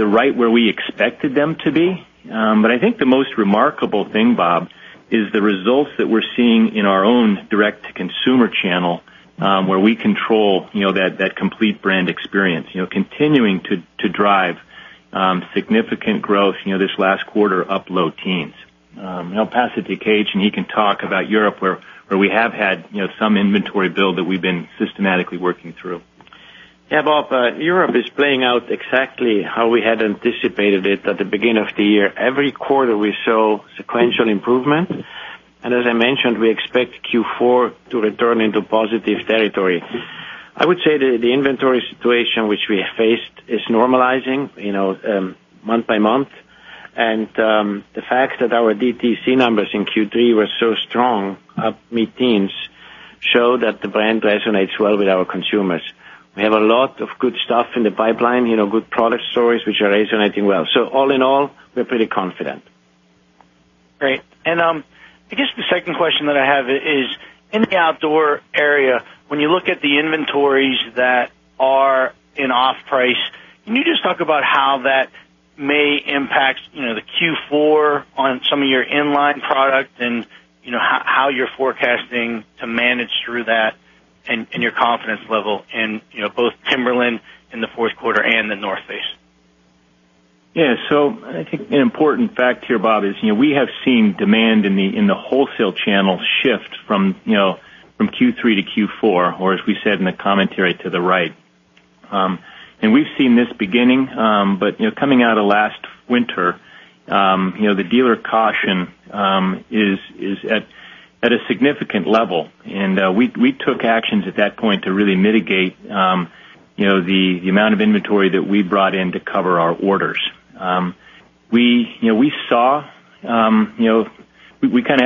right where we expected them to be. I think the most remarkable thing, Bob, is the results that we're seeing in our own direct-to-consumer channel, where we control that complete brand experience, continuing to drive significant growth this last quarter up low teens. I'll pass it to KH, and he can talk about Europe, where we have had some inventory build that we've been systematically working through. Yeah, Bob, Europe is playing out exactly how we had anticipated it at the beginning of the year. Every quarter, we show sequential improvement. As I mentioned, we expect Q4 to return into positive territory. I would say the inventory situation which we faced is normalizing month by month. The fact that our DTC numbers in Q3 were so strong, up mid-teens, show that the brand resonates well with our consumers. We have a lot of good stuff in the pipeline, good product stories which are resonating well. All in all, we're pretty confident. Great. I guess the second question that I have is, in the outdoor area, when you look at the inventories that are in off-price, can you just talk about how that may impact the Q4 on some of your in-line product and how you're forecasting to manage through that and your confidence level in both Timberland in the fourth quarter and The North Face? Yeah. I think an important fact here, Bob, is we have seen demand in the wholesale channel shift from Q3 to Q4, or as we said in the commentary, to the right. We've seen this beginning, but coming out of last winter, the dealer caution is at a significant level, and we took actions at that point to really mitigate the amount of inventory that we brought in to cover our orders. We had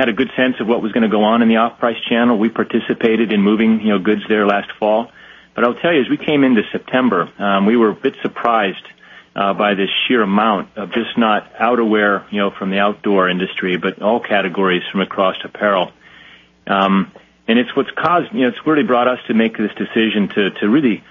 a good sense of what was going to go on in the off-price channel. We participated in moving goods there last fall. I'll tell you, as we came into September, we were a bit surprised by the sheer amount of just not outerwear from the outdoor industry, but all categories from across apparel. It's really brought us to make this decision to really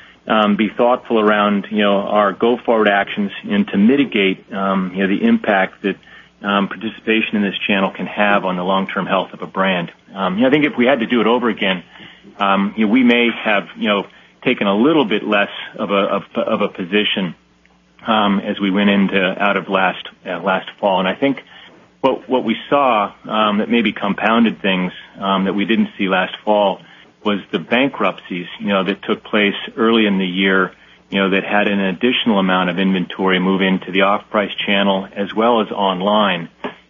be thoughtful around our go-forward actions and to mitigate the impact that participation in this channel can have on the long-term health of a brand. I think if we had to do it over again, we may have taken a little bit less of a position as we went into out of last fall. I think what we saw that maybe compounded things that we didn't see last fall was the bankruptcies that took place early in the year, that had an additional amount of inventory move into the off-price channel as well as online.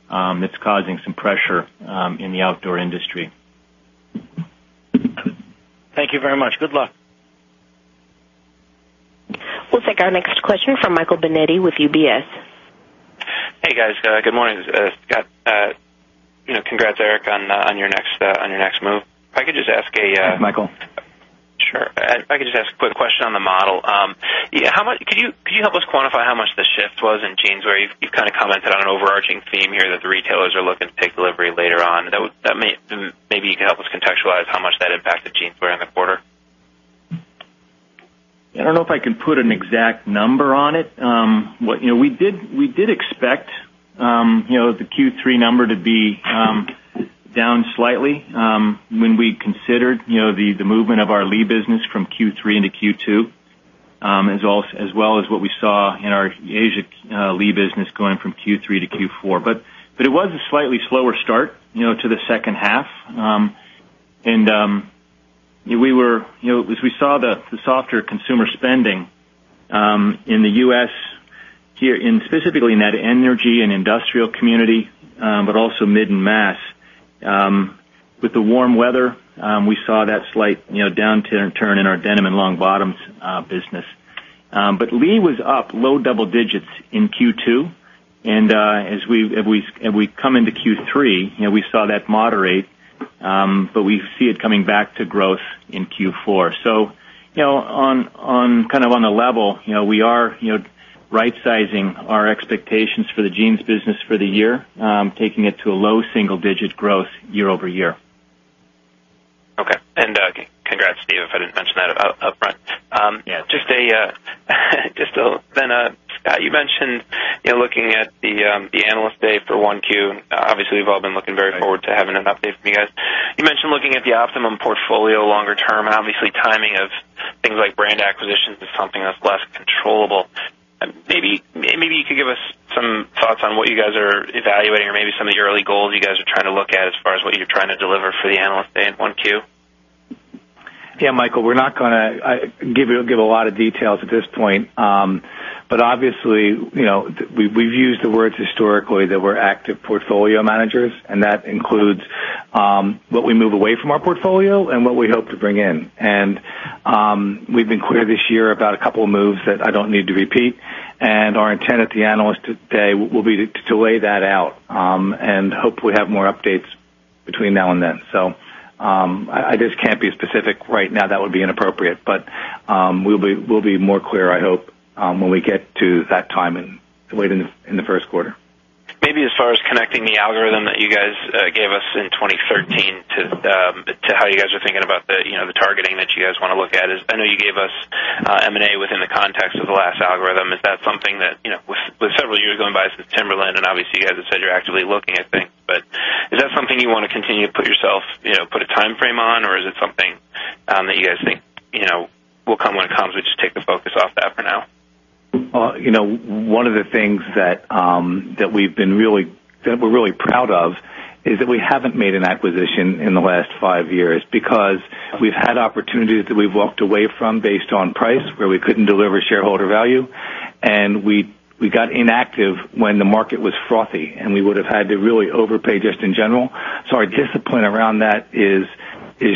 That's causing some pressure in the outdoor industry. Thank you very much. Good luck. We'll take our next question from Michael Binetti with UBS. Hey, guys. Good morning. Scott. Congrats, Eric, on your next move. Michael. Sure. If I could just ask a quick question on the model. Can you help us quantify how much the shift was in Jeanswear, where you've kind of commented on an overarching theme here that the retailers are looking to take delivery later on? Maybe you could help us contextualize how much that impacted Jeanswear in the quarter. I don't know if I can put an exact number on it. We did expect the Q3 number to be down slightly when we considered the movement of our Lee business from Q3 into Q2. As well as what we saw in our Asia Lee business going from Q3 to Q4. It was a slightly slower start to the second half. As we saw the softer consumer spending in the U.S. here, specifically in that energy and industrial community, but also mid and mass. With the warm weather, we saw that slight downturn in our denim and long bottoms business. Lee was up low double digits in Q2, and as we come into Q3, we saw that moderate, but we see it coming back to growth in Q4. On the level, we are right-sizing our expectations for the jeans business for the year, taking it to a low single-digit growth year-over-year. Okay. Congrats, Steve, if I didn't mention that upfront. Yeah. Scott, you mentioned looking at the Analyst Day for 1Q. Obviously, we've all been looking very forward to having an update from you guys. You mentioned looking at the optimum portfolio longer term, and obviously timing of things like brand acquisitions is something that's less controllable. Maybe you could give us some thoughts on what you guys are evaluating or maybe some of your early goals you guys are trying to look at as far as what you're trying to deliver for the Analyst Day in 1Q. Yeah, Michael, we're not going to give a lot of details at this point. Obviously, we've used the words historically that we're active portfolio managers, and that includes what we move away from our portfolio and what we hope to bring in. We've been clear this year about a couple of moves that I don't need to repeat, and our intent at the Analyst Day will be to lay that out, and hope we have more updates between now and then. I just can't be specific right now. That would be inappropriate. We'll be more clear, I hope, when we get to that time and late in the first quarter. Maybe as far as connecting the algorithm that you guys gave us in 2013 to how you guys are thinking about the targeting that you guys want to look at is, I know you gave us M&A within the context of the last algorithm. Is that something that, with several years going by since Timberland, and obviously you guys have said you're actively looking at things. Is that something you want to continue to put a timeframe on, or is it something that you guys think will come when it comes? We just take the focus off that for now? One of the things that we're really proud of is that we haven't made an acquisition in the last five years, because we've had opportunities that we've walked away from based on price, where we couldn't deliver shareholder value. We got inactive when the market was frothy, and we would have had to really overpay just in general. Our discipline around that is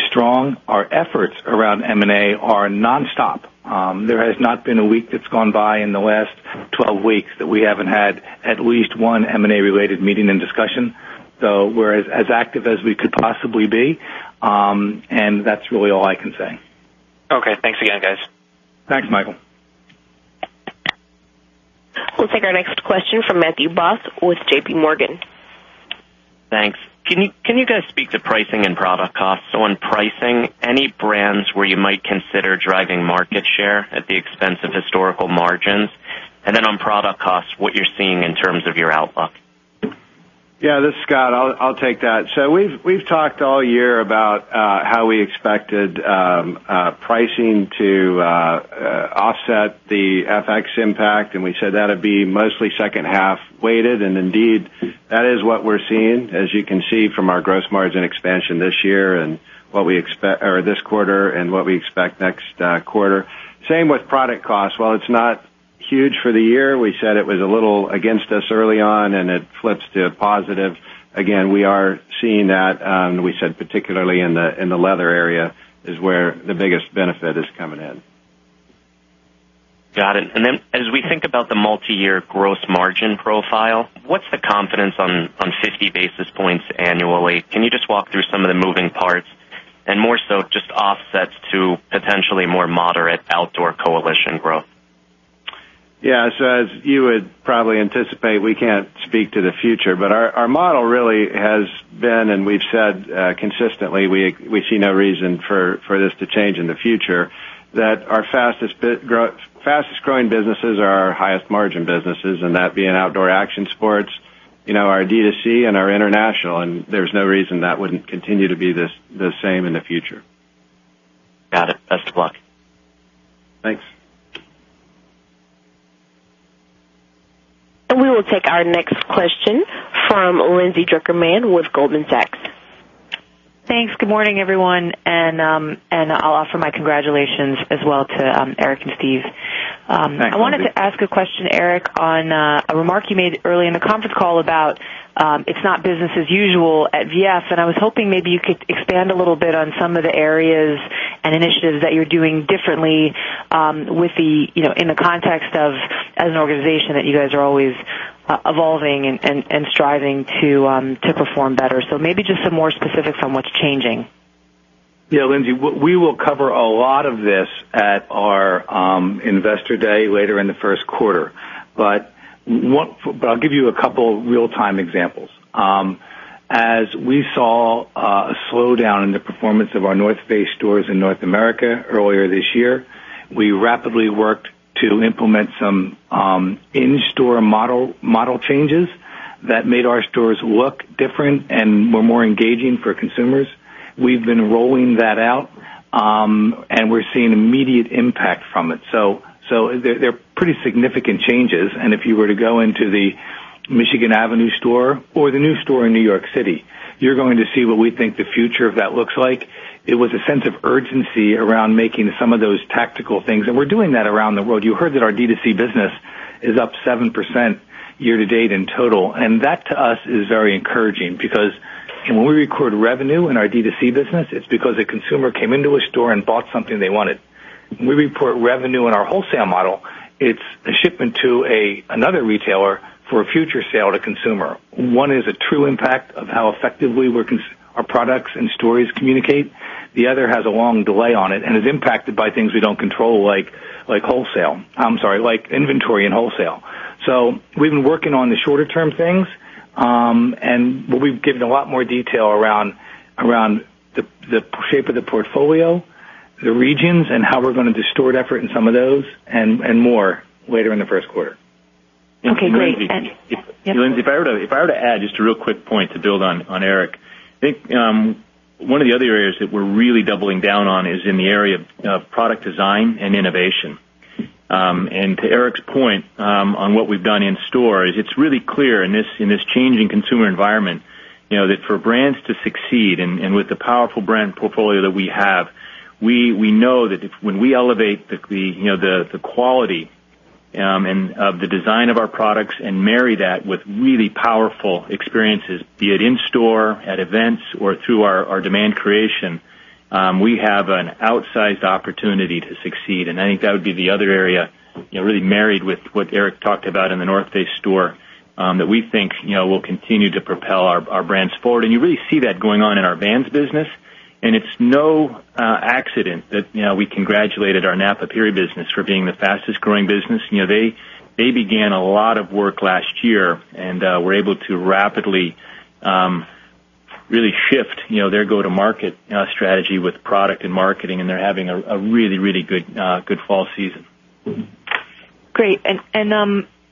strong. Our efforts around M&A are nonstop. There has not been a week that's gone by in the last 12 weeks that we haven't had at least one M&A-related meeting and discussion. We're as active as we could possibly be. That's really all I can say. Okay. Thanks again, guys. Thanks, Michael. We'll take our next question from Matthew Boss with JP Morgan. Thanks. Can you guys speak to pricing and product costs? On pricing, any brands where you might consider driving market share at the expense of historical margins? On product costs, what you're seeing in terms of your outlook. Yeah, this is Scott. I'll take that. We've talked all year about how we expected pricing to offset the FX impact, and we said that'd be mostly second half weighted. Indeed, that is what we're seeing, as you can see from our gross margin expansion this quarter and what we expect next quarter. Same with product costs. While it's not huge for the year, we said it was a little against us early on, and it flips to positive. Again, we are seeing that. We said particularly in the leather area is where the biggest benefit is coming in. Got it. As we think about the multi-year gross margin profile, what's the confidence on 50 basis points annually? Can you just walk through some of the moving parts? More so just offsets to potentially more moderate outdoor coalition growth. Yeah. As you would probably anticipate, we can't speak to the future, our model really has been, and we've said consistently, we see no reason for this to change in the future, that our fastest growing businesses are our highest margin businesses, and that being Outdoor Action Sports Our D2C and our international, and there's no reason that wouldn't continue to be the same in the future. Got it. Best of luck. Thanks. We will take our next question from Lindsay Drucker Mann with Goldman Sachs. Thanks. Good morning, everyone, and I'll offer my congratulations as well to Eric and Steve. Thanks. I wanted to ask a question, Eric, on a remark you made early in the conference call about how it's not business as usual at V.F., and I was hoping maybe you could expand a little bit on some of the areas and initiatives that you're doing differently in the context of an organization that you guys are always evolving and striving to perform better. Maybe just some more specifics on what's changing. Lindsay, we will cover a lot of this at our investor day later in the first quarter. I'll give you a couple real-time examples. As we saw a slowdown in the performance of our The North Face stores in North America earlier this year, we rapidly worked to implement some in-store model changes that made our stores look different and were more engaging for consumers. We've been rolling that out, and we're seeing immediate impact from it. They're pretty significant changes, and if you were to go into the Michigan Avenue store or the new store in New York City, you're going to see what we think the future of that looks like. It was a sense of urgency around making some of those tactical things, and we're doing that around the world. You heard that our D2C business is up 7% year to date in total, that to us is very encouraging because when we record revenue in our D2C business, it's because a consumer came into a store and bought something they wanted. When we report revenue in our wholesale model, it's a shipment to another retailer for a future sale to consumer. One is a true impact of how effectively our products and stores communicate. The other has a long delay on it and is impacted by things we don't control, like inventory and wholesale. We've been working on the shorter-term things, we've given a lot more detail around the shape of the portfolio, the regions, and how we're going to distort effort in some of those and more later in the first quarter. Okay, great. Lindsay, if I were to add just a real quick point to build on, Eric. I think one of the other areas that we're really doubling down on is in the area of product design and innovation. To Eric's point on what we've done in store is it's really clear in this changing consumer environment that for brands to succeed and with the powerful brand portfolio that we have, we know that when we elevate the quality of the design of our products and marry that with really powerful experiences, be it in store, at events, or through our demand creation, we have an outsized opportunity to succeed. I think that would be the other area, really married with what Eric talked about in the The North Face store, that we think will continue to propel our brands forward. You really see that going on in our Vans business. It's no accident that we congratulated our Napapijri business for being the fastest-growing business. They began a lot of work last year and were able to rapidly really shift their go-to-market strategy with product and marketing. They're having a really good fall season. Great.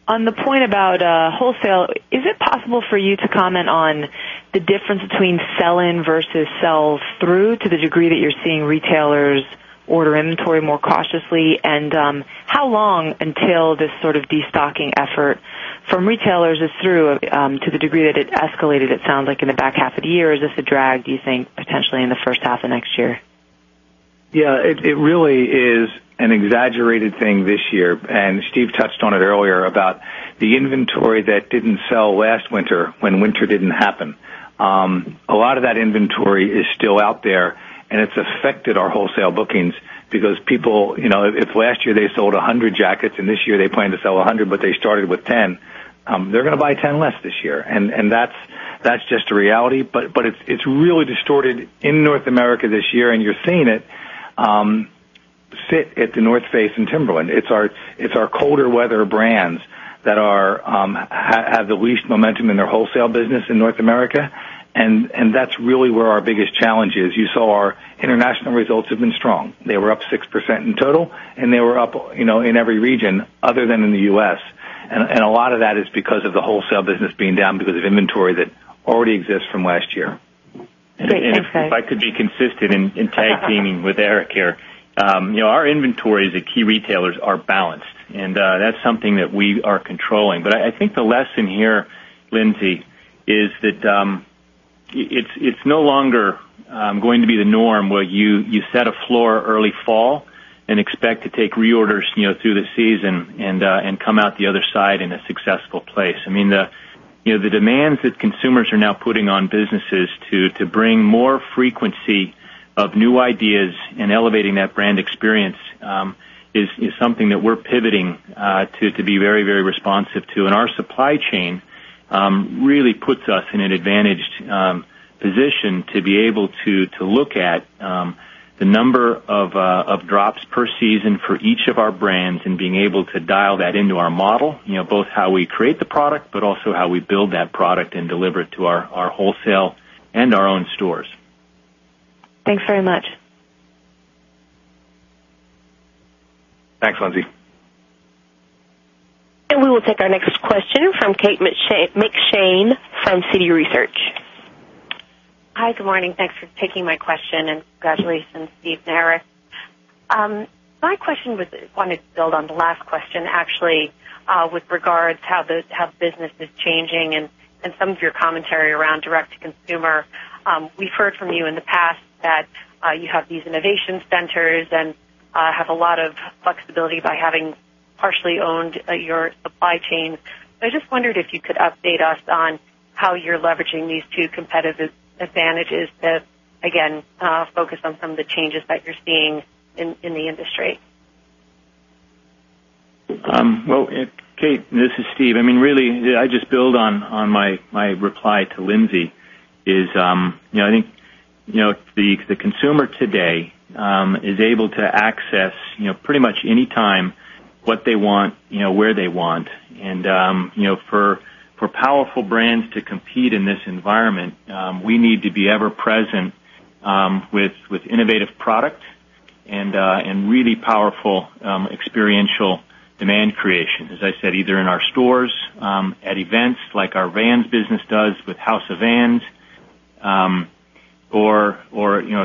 On the point about wholesale, is it possible for you to comment on the difference between sell-in versus sell through to the degree that you're seeing retailers order inventory more cautiously? How long until this sort of destocking effort from retailers is through to the degree that it escalated, it sounds like, in the back half of the year? Is this a drag, do you think, potentially in the first half of next year? Yeah. It really is an exaggerated thing this year. Steve touched on it earlier about the inventory that didn't sell last winter when winter didn't happen. A lot of that inventory is still out there. It's affected our wholesale bookings because people. If last year they sold 100 jackets and this year they planned to sell 100 but they started with 10, they're going to buy 10 less this year. That's just a reality, but it's really distorted in North America this year. You're seeing it sit at The North Face and Timberland. It's our colder weather brands that have the least momentum in their wholesale business in North America. That's really where our biggest challenge is. You saw our international results have been strong. They were up 6% in total. They were up in every region other than in the U.S. A lot of that is because of the wholesale business being down because of inventory that already exists from last year. Great. Thanks, guys. If I could be consistent in tag teaming with Eric here. Our inventory at the key retailers are balanced, and that's something that we are controlling. I think the lesson here, Lindsay, is that it's no longer going to be the norm where you set a floor early fall and expect to take reorders through the season and come out the other side in a successful place. The demands that consumers are now putting on businesses to bring more frequency of new ideas and elevating that brand experience is something that we're pivoting to be very responsive to. Our supply chain really puts us in an advantaged position to be able to look at the number of drops per season for each of our brands and being able to dial that into our model, both how we create the product but also how we build that product and deliver it to our wholesale and our own stores. Thanks very much. Thanks, Lindsay. We will take our next question from Kate McShane from Citi Research. Hi. Good morning. Thanks for taking my question, and congratulations, Steve and Eric. My question was, I wanted to build on the last question, actually, with regards to how the business is changing and some of your commentary around direct-to-consumer. We've heard from you in the past that you have these innovation centers and have a lot of flexibility by having partially owned your supply chain. I just wondered if you could update us on how you're leveraging these two competitive advantages that, again, focus on some of the changes that you're seeing in the industry. Well, Kate, this is Steve. Really, I just build on my reply to Lindsay, is I think the consumer today is able to access pretty much any time what they want, where they want. For powerful brands to compete in this environment, we need to be ever present with innovative product and really powerful experiential demand creation. As I said, either in our stores, at events like our Vans business does with House of Vans, or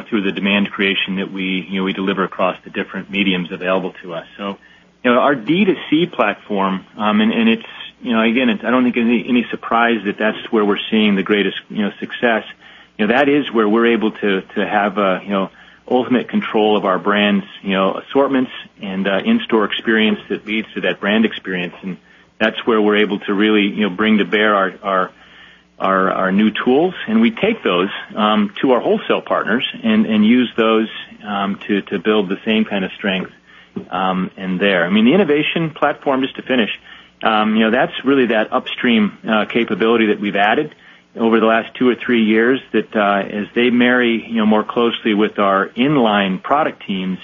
through the demand creation that we deliver across the different mediums available to us. Our D2C platform, and again, I don't think any surprise that that's where we're seeing the greatest success. That is where we're able to have ultimate control of our brands' assortments and in-store experience that leads to that brand experience. That's where we're able to really bring to bear our new tools. We take those to our wholesale partners and use those to build the same kind of strength in there. The innovation platform, just to finish, that's really that upstream capability that we've added over the last two or three years that as they marry more closely with our inline product teams,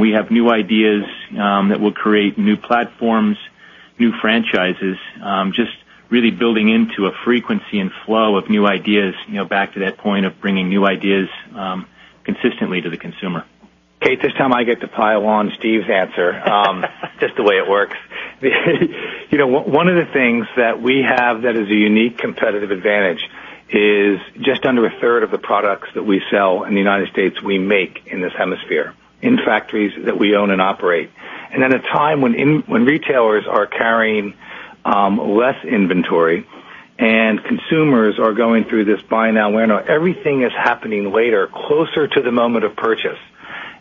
we have new ideas that will create new platforms, new franchises, just really building into a frequency and flow of new ideas, back to that point of bringing new ideas consistently to the consumer. Kate, this time I get to pile on Steve's answer. Just the way it works. One of the things that we have that is a unique competitive advantage is just under a third of the products that we sell in the U.S., we make in this hemisphere, in factories that we own and operate. At a time when retailers are carrying less inventory and consumers are going through this buy now, wear now. Everything is happening later, closer to the moment of purchase.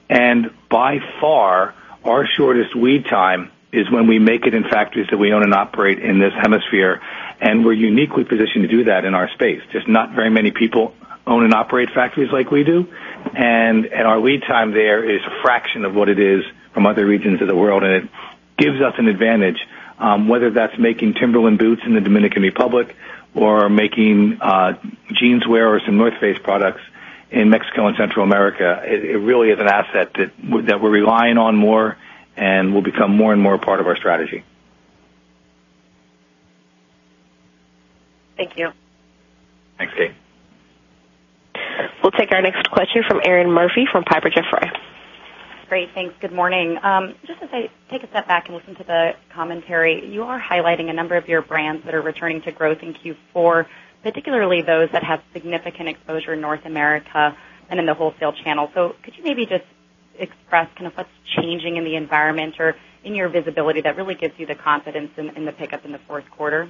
By far, our shortest lead time is when we make it in factories that we own and operate in this hemisphere, and we're uniquely positioned to do that in our space. Just not very many people own and operate factories like we do. Our lead time there is a fraction of what it is from other regions of the world, and it gives us an advantage. Whether that's making Timberland boots in the Dominican Republic or making Jeanswear or some North Face products in Mexico and Central America. It really is an asset that we're relying on more and will become more and more a part of our strategy. Thank you. Thanks, Kate. We'll take our next question from Erinn Murphy from Piper Jaffray. Great. Thanks. Good morning. Just as I take a step back and listen to the commentary, you are highlighting a number of your brands that are returning to growth in Q4, particularly those that have significant exposure in North America and in the wholesale channel. Could you maybe just express what's changing in the environment or in your visibility that really gives you the confidence in the pickup in the fourth quarter?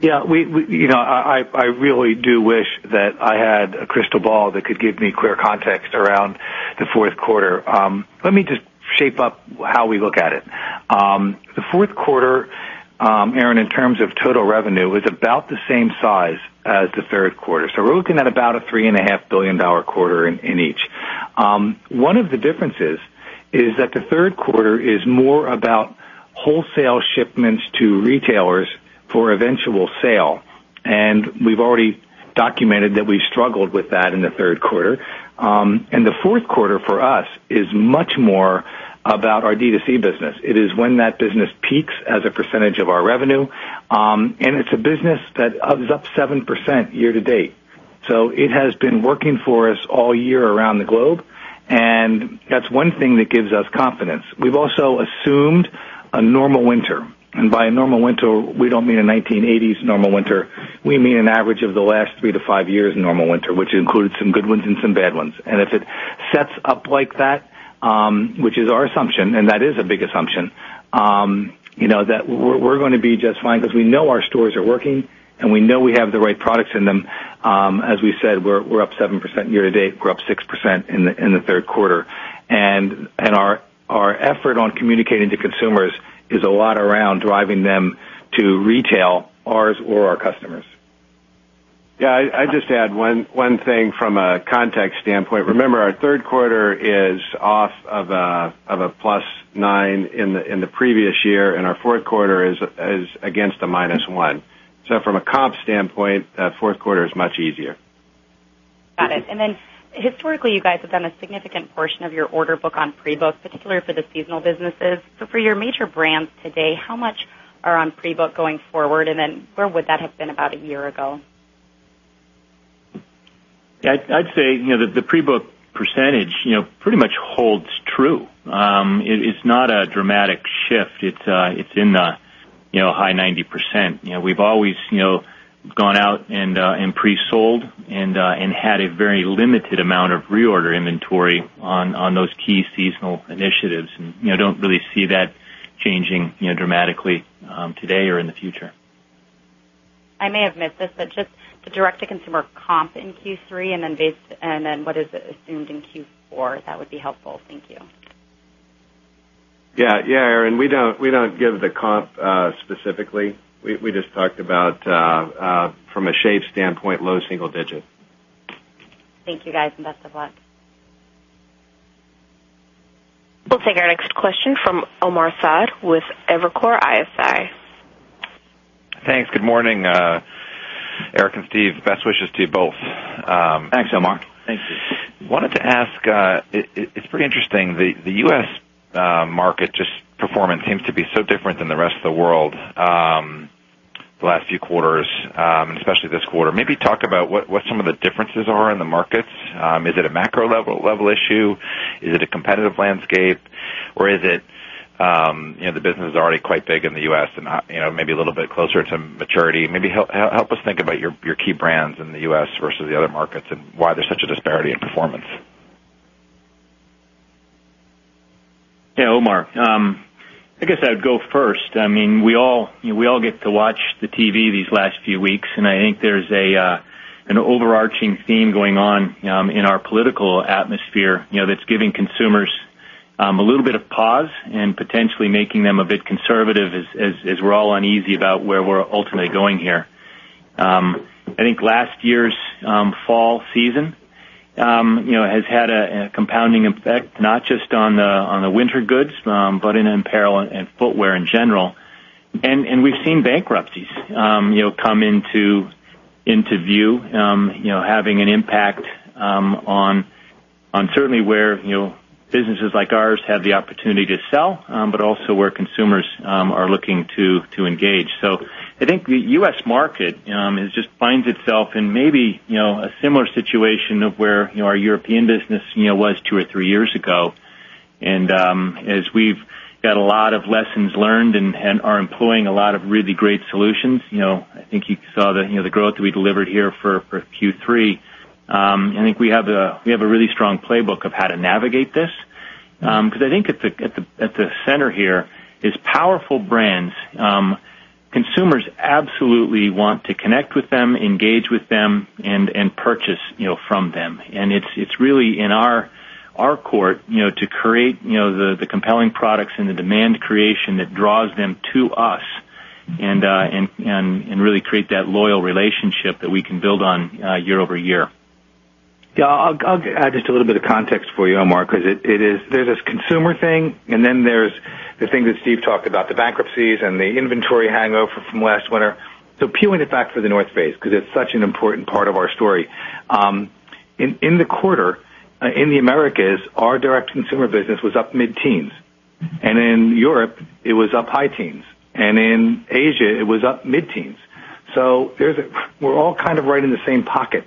Yeah. I really do wish that I had a crystal ball that could give me clear context around the fourth quarter. Let me just shape up how we look at it. The fourth quarter, Erinn, in terms of total revenue, was about the same size as the third quarter. We're looking at about a $3.5 billion quarter in each. One of the differences is that the third quarter is more about wholesale shipments to retailers for eventual sale, and we've already documented that we struggled with that in the third quarter. The fourth quarter for us is much more about our D2C business. It is when that business peaks as a percentage of our revenue, and it's a business that is up 7% year to date. It has been working for us all year around the globe, and that's one thing that gives us confidence. We've also assumed a normal winter. By a normal winter, we don't mean a 1980s normal winter. We mean an average of the last three to five years normal winter, which includes some good ones and some bad ones. If it sets up like that, which is our assumption, and that is a big assumption, that we're going to be just fine because we know our stores are working and we know we have the right products in them. As we said, we're up 7% year-to-date. We're up 6% in the third quarter. Our effort on communicating to consumers is a lot around driving them to retail, ours or our customers. Yeah, I'd just add one thing from a context standpoint. Remember, our third quarter is off of a plus nine in the previous year. Our fourth quarter is against a minus one. From a comp standpoint, fourth quarter is much easier. Got it. Historically, you guys have done a significant portion of your order book on pre-book, particularly for the seasonal businesses. For your major brands today, how much are on pre-book going forward, and where would that have been about a year ago? I'd say the pre-book percentage pretty much holds true. It is not a dramatic shift. It's in the high 90%. We've always gone out and pre-sold and had a very limited amount of reorder inventory on those key seasonal initiatives. Don't really see that changing dramatically today or in the future. I may have missed this, just the direct-to-consumer comp in Q3, then what is assumed in Q4, that would be helpful. Thank you. Yeah. Erinn, we don't give the comp specifically. We just talked about from a shape standpoint, low single digit. Thank you, guys, best of luck. We'll take our next question from Omar Saad with Evercore ISI. Thanks. Good morning. Eric and Steve, best wishes to you both. Thanks, Omar. Thank you. Wanted to ask, it's pretty interesting, the U.S. market, just performance seems to be so different than the rest of the world the last few quarters, and especially this quarter. Maybe talk about what some of the differences are in the markets. Is it a macro level issue? Is it a competitive landscape? Is it the business is already quite big in the U.S. and maybe a little bit closer to maturity? Maybe help us think about your key brands in the U.S. versus the other markets and why there's such a disparity in performance. Yeah, Omar. I guess I'd go first. We all get to watch the TV these last few weeks, I think there's an overarching theme going on in our political atmosphere that's giving consumers a little bit of pause and potentially making them a bit conservative as we're all uneasy about where we're ultimately going here. I think last year's fall season has had a compounding effect, not just on the winter goods, but in apparel and footwear in general. We've seen bankruptcies come into view having an impact on certainly where businesses like ours have the opportunity to sell, but also where consumers are looking to engage. I think the U.S. market just finds itself in maybe a similar situation of where our European business was two or three years ago. As we've got a lot of lessons learned and are employing a lot of really great solutions, I think you saw the growth that we delivered here for Q3. I think we have a really strong playbook of how to navigate this. I think at the center here is powerful brands. Consumers absolutely want to connect with them, engage with them and purchase from them. It's really in our court to create the compelling products and the demand creation that draws them to us and really create that loyal relationship that we can build on year-over-year. Yeah. I'll add just a little bit of context for you, Omar, because there's this consumer thing, and then there's the thing that Steve talked about, the bankruptcies and the inventory hangover from last winter. Peeling it back for The North Face, because it's such an important part of our story. In the quarter, in the Americas, our direct consumer business was up mid-teens. In Europe, it was up high teens. In Asia, it was up mid-teens. We're all kind of right in the same pocket,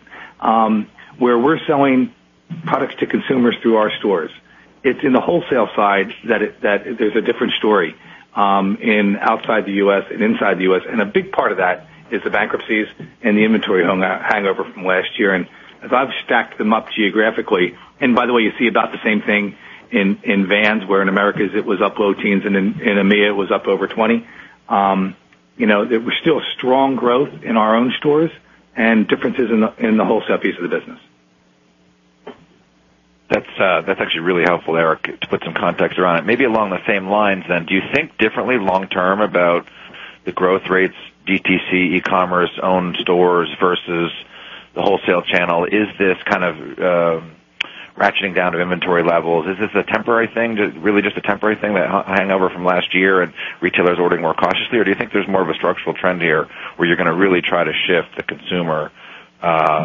where we're selling products to consumers through our stores. It's in the wholesale side that there's a different story, in outside the U.S. and inside the U.S. A big part of that is the bankruptcies and the inventory hangover from last year. As I've stacked them up geographically— and by the way, you see about the same thing in Vans, where in Americas it was up low teens, and in EMEA it was up over 20. There was still strong growth in our own stores and differences in the wholesale piece of the business. That's actually really helpful, Eric, to put some context around it. Maybe along the same lines then, do you think differently long term about the growth rates, DTC, e-commerce, owned stores versus the wholesale channel? Is this kind of ratcheting down of inventory levels? Is this a temporary thing, really just a temporary thing, that hangover from last year and retailers ordering more cautiously? Do you think there's more of a structural trend here where you're going to really try to shift the consumer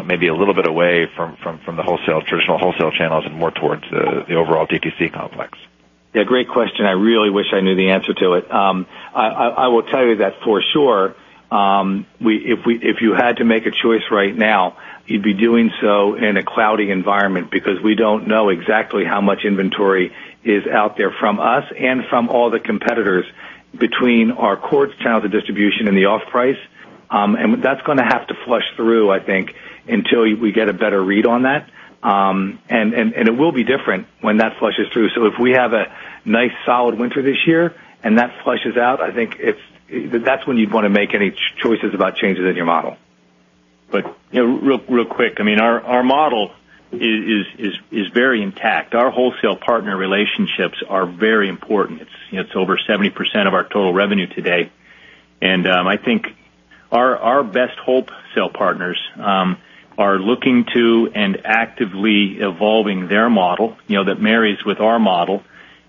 maybe a little bit away from the traditional wholesale channels and more towards the overall DTC complex? Yeah. Great question. I really wish I knew the answer to it. I will tell you that for sure, if you had to make a choice right now, you'd be doing so in a cloudy environment because we don't know exactly how much inventory is out there from us and from all the competitors between our core channels of distribution and the off-price. That's going to have to flush through, I think, until we get a better read on that. It will be different when that flushes through. If we have a nice solid winter this year and that flushes out, I think that's when you'd want to make any choices about changes in your model. Real quick, our model is very intact. Our wholesale partner relationships are very important. It's over 70% of our total revenue today. I think our best wholesale partners are looking to and actively evolving their model that marries with our model.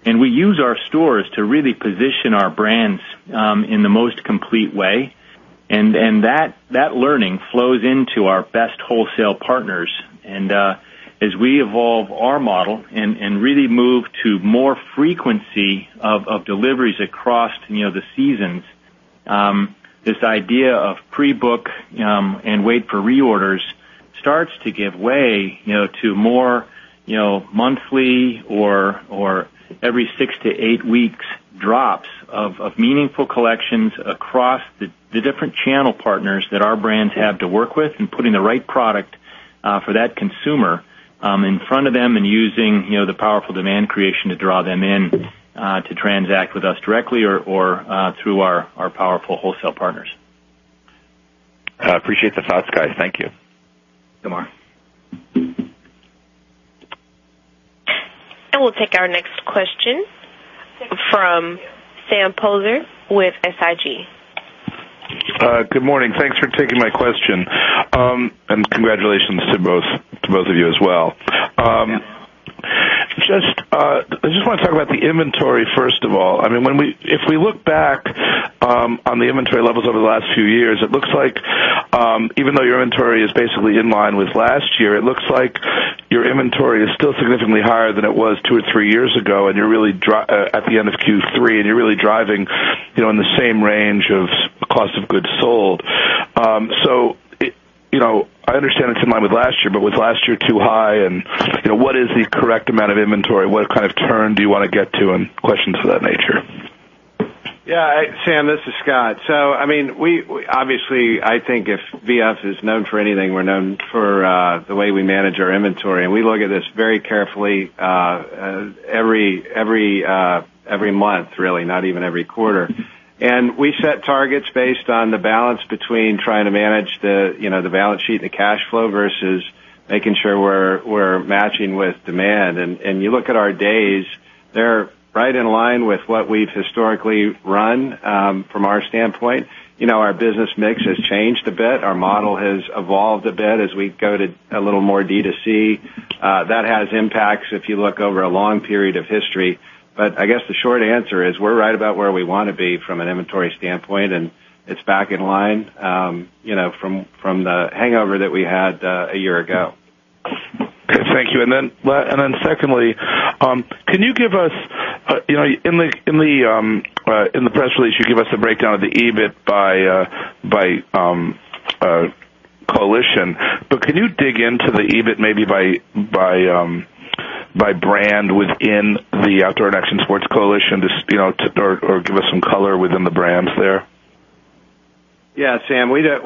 We use our stores to really position our brands in the most complete way, and that learning flows into our best wholesale partners. As we evolve our model and really move to more frequency of deliveries across the seasons This idea of pre-book and wait for reorders starts to give way to more monthly or every 6 to 8 weeks drops of meaningful collections across the different channel partners that our brands have to work with, and putting the right product for that consumer in front of them and using the powerful demand creation to draw them in to transact with us directly or through our powerful wholesale partners. I appreciate the thoughts, guys. Thank you. Tamar. We'll take our next question from Sam Poser with SIG. Good morning. Thanks for taking my question. Congratulations to both of you as well. Yeah. I just want to talk about the inventory, first of all. If we look back on the inventory levels over the last few years, it looks like even though your inventory is basically in line with last year, it looks like your inventory is still significantly higher than it was two or three years ago at the end of Q3, and you're really driving in the same range of cost of goods sold. I understand it's in line with last year, but was last year too high? What is the correct amount of inventory? What kind of turn do you want to get to, and questions of that nature? Yeah. Sam, this is Scott. Obviously, I think if VF is known for anything, we're known for the way we manage our inventory, and we look at this very carefully every month really, not even every quarter. We set targets based on the balance between trying to manage the balance sheet and the cash flow versus making sure we're matching with demand. You look at our days, they're right in line with what we've historically run from our standpoint. Our business mix has changed a bit. Our model has evolved a bit as we go to a little more D2C. That has impacts if you look over a long period of history. I guess the short answer is, we're right about where we want to be from an inventory standpoint, and it's back in line from the hangover that we had a year ago. Thank you. Then secondly, in the press release, you give us a breakdown of the EBIT by coalition. Can you dig into the EBIT maybe by brand within the Outdoor & Action Sports coalition, or give us some color within the brands there? Yeah, Sam. We don't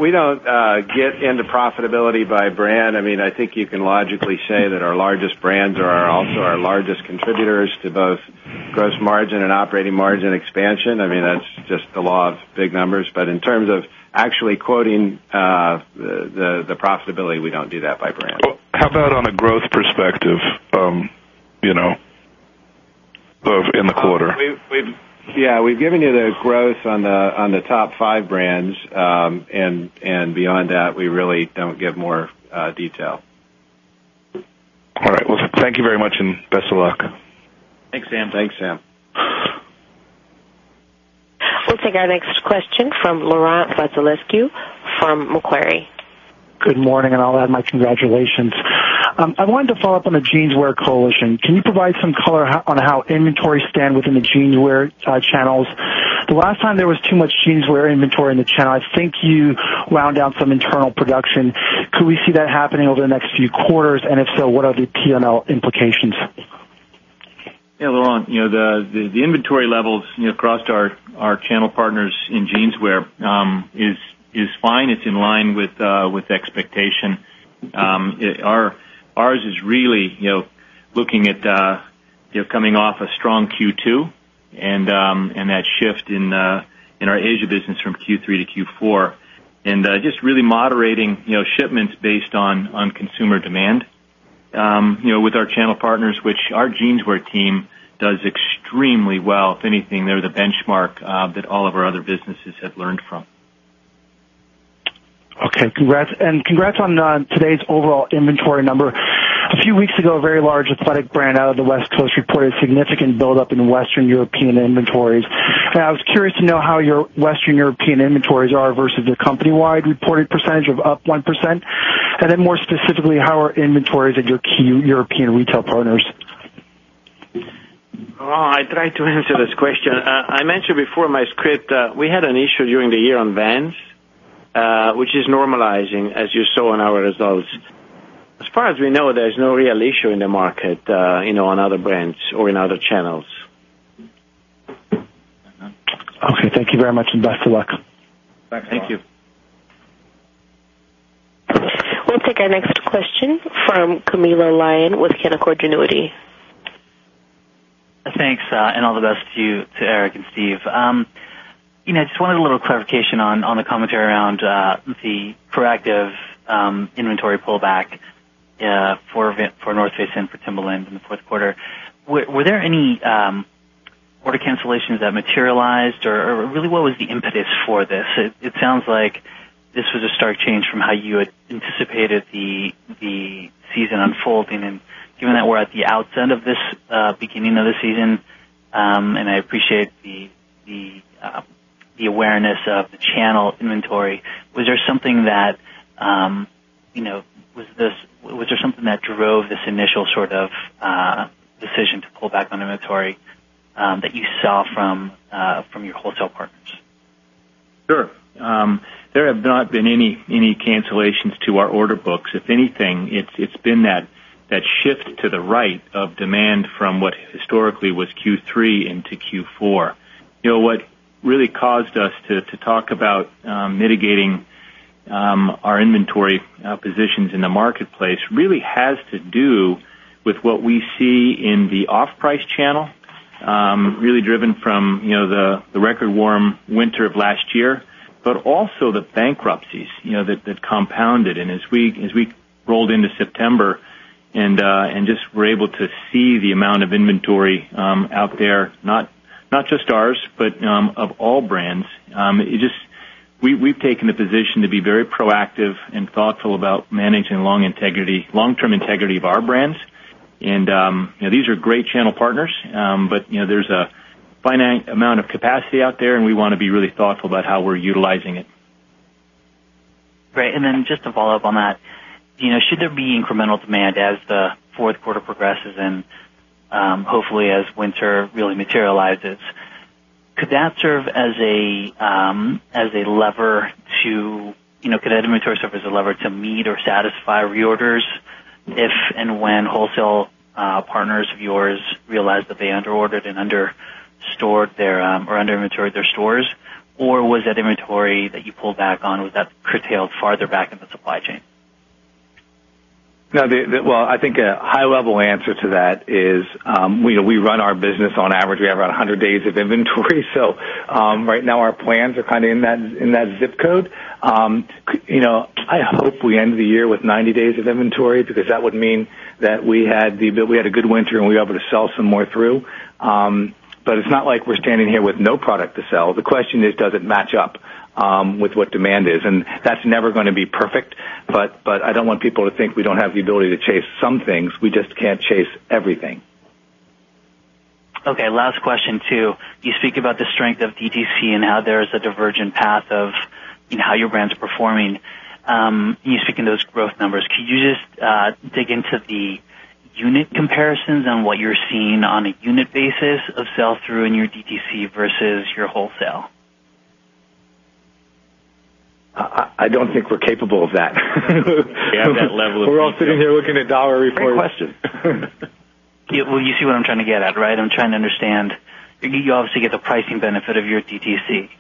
get into profitability by brand. I think you can logically say that our largest brands are also our largest contributors to both gross margin and operating margin expansion. That's just the law of big numbers. In terms of actually quoting the profitability, we don't do that by brand. How about on a growth perspective in the quarter? Yeah. We've given you the growth on the top five brands. Beyond that, we really don't give more detail. All right. Well, thank you very much. Best of luck. Thanks, Sam. Thanks, Sam. We'll take our next question from Laurent Vasilescu from Macquarie. Good morning, and I'll add my congratulations. I wanted to follow up on the Jeanswear coalition. Can you provide some color on how inventory stand within the Jeanswear channels? The last time there was too much Jeanswear inventory in the channel, I think you wound down some internal production. Could we see that happening over the next few quarters? If so, what are the P&L implications? Yeah, Laurent. The inventory levels across our channel partners in Jeanswear is fine. It's in line with expectation. Ours is really looking at coming off a strong Q2, and that shift in our Asia business from Q3 to Q4. Just really moderating shipments based on consumer demand with our channel partners, which our Jeanswear team does extremely well. If anything, they're the benchmark that all of our other businesses have learned from. Okay. Congrats. Congrats on today's overall inventory number. A few weeks ago, a very large athletic brand out of the West Coast reported significant buildup in Western European inventories. I was curious to know how your Western European inventories are versus the company-wide reported percentage of up 1%. More specifically, how are inventories at your key European retail partners? Laurent, I try to answer this question. I mentioned before in my script, we had an issue during the year on Vans, which is normalizing, as you saw in our results. As far as we know, there's no real issue in the market on other brands or in other channels. Okay. Thank you very much, and best of luck. Thanks, Laurent. Thank you. We'll take our next question from Camilo Lyon with Canaccord Genuity. Thanks, all the best to you, to Eric, and Steve. Just wanted a little clarification on the commentary around the proactive inventory pullback for The North Face and for Timberland in the fourth quarter. Were there any order cancellations that materialized, or really what was the impetus for this? It sounds like this was a stark change from how you had anticipated the season unfolding. Given that we're at the outset of this beginning of the season, and I appreciate the awareness of the channel inventory. Was there something that drove this initial sort of decision to pull back on inventory that you saw from your wholesale partners. Sure. There have not been any cancellations to our order books. If anything, it's been that shift to the right of demand from what historically was Q3 into Q4. What really caused us to talk about mitigating our inventory positions in the marketplace really has to do with what we see in the off-price channel, really driven from the record warm winter of last year, but also the bankruptcies that compounded. As we rolled into September and just were able to see the amount of inventory out there, not just ours, but of all brands. We've taken the position to be very proactive and thoughtful about managing long-term integrity of our brands. These are great channel partners, but there's a finite amount of capacity out there, and we want to be really thoughtful about how we're utilizing it. Great. Then just to follow up on that, should there be incremental demand as the fourth quarter progresses and, hopefully, as winter really materializes, could that inventory serve as a lever to meet or satisfy reorders if and when wholesale partners of yours realize that they under inventoried their stores? Was that inventory that you pulled back on, was that curtailed farther back in the supply chain? Well, I think a high-level answer to that is we run our business on average, we have around 100 days of inventory. Right now, our plans are in that zip code. I hope we end the year with 90 days of inventory because that would mean that we had a good winter and we were able to sell some more through. It's not like we're standing here with no product to sell. The question is, does it match up with what demand is? That's never going to be perfect, but I don't want people to think we don't have the ability to chase some things. We just can't chase everything. Okay. Last question, too. You speak about the strength of DTC and how there is a divergent path of how your brand's performing. You speak in those growth numbers. Could you just dig into the unit comparisons and what you're seeing on a unit basis of sell-through in your DTC versus your wholesale? I don't think we're capable of that. We have that level of detail. We're all sitting here looking at dollar. Great question. Well, you see what I'm trying to get at, right? I'm trying to understand, you obviously get the pricing benefit of your DTC.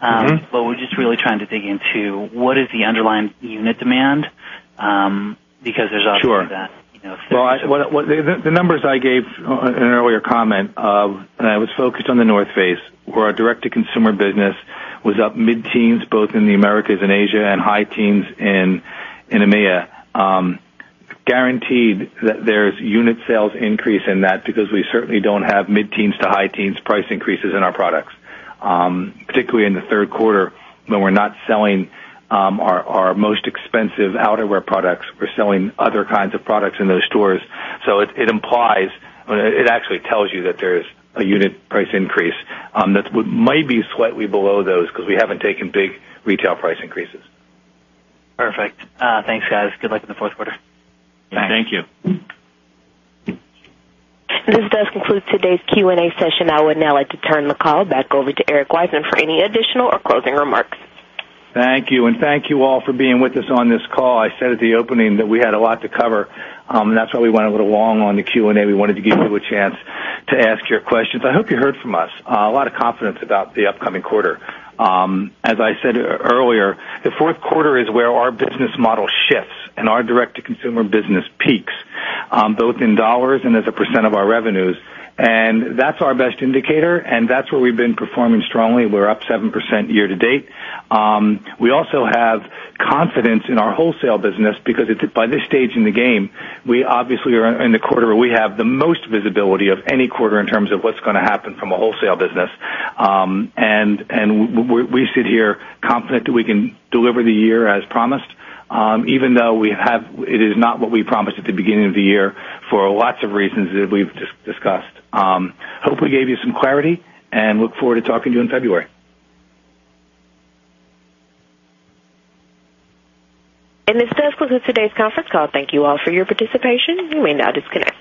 We're just really trying to dig into what is the underlying unit demand. Sure. You know. The numbers I gave in an earlier comment of, and I was focused on The North Face, where our direct-to-consumer business was up mid-teens, both in the Americas and Asia, and high teens in EMEA. Guaranteed that there's unit sales increase in that because we certainly don't have mid-teens to high teens price increases in our products. Particularly in the third quarter when we're not selling our most expensive outerwear products. We're selling other kinds of products in those stores. It actually tells you that there's a unit price increase. That might be slightly below those because we haven't taken big retail price increases. Perfect. Thanks, guys. Good luck in the fourth quarter. Thank you. Thanks. This does conclude today's Q&A session. I would now like to turn the call back over to Eric Wiseman for any additional or closing remarks. Thank you, and thank you all for being with us on this call. I said at the opening that we had a lot to cover, and that's why we went a little long on the Q&A. We wanted to give you a chance to ask your questions. I hope you heard from us. A lot of confidence about the upcoming quarter. As I said earlier, the fourth quarter is where our business model shifts and our direct-to-consumer business peaks, both in dollars and as a percent of our revenues. That's our best indicator, and that's where we've been performing strongly. We're up 7% year to date. We also have confidence in our wholesale business because by this stage in the game, we obviously are in the quarter where we have the most visibility of any quarter in terms of what's going to happen from a wholesale business. We sit here confident that we can deliver the year as promised, even though it is not what we promised at the beginning of the year for lots of reasons that we've discussed. Hope we gave you some clarity and look forward to talking to you in February. This does conclude today's conference call. Thank you all for your participation. You may now disconnect.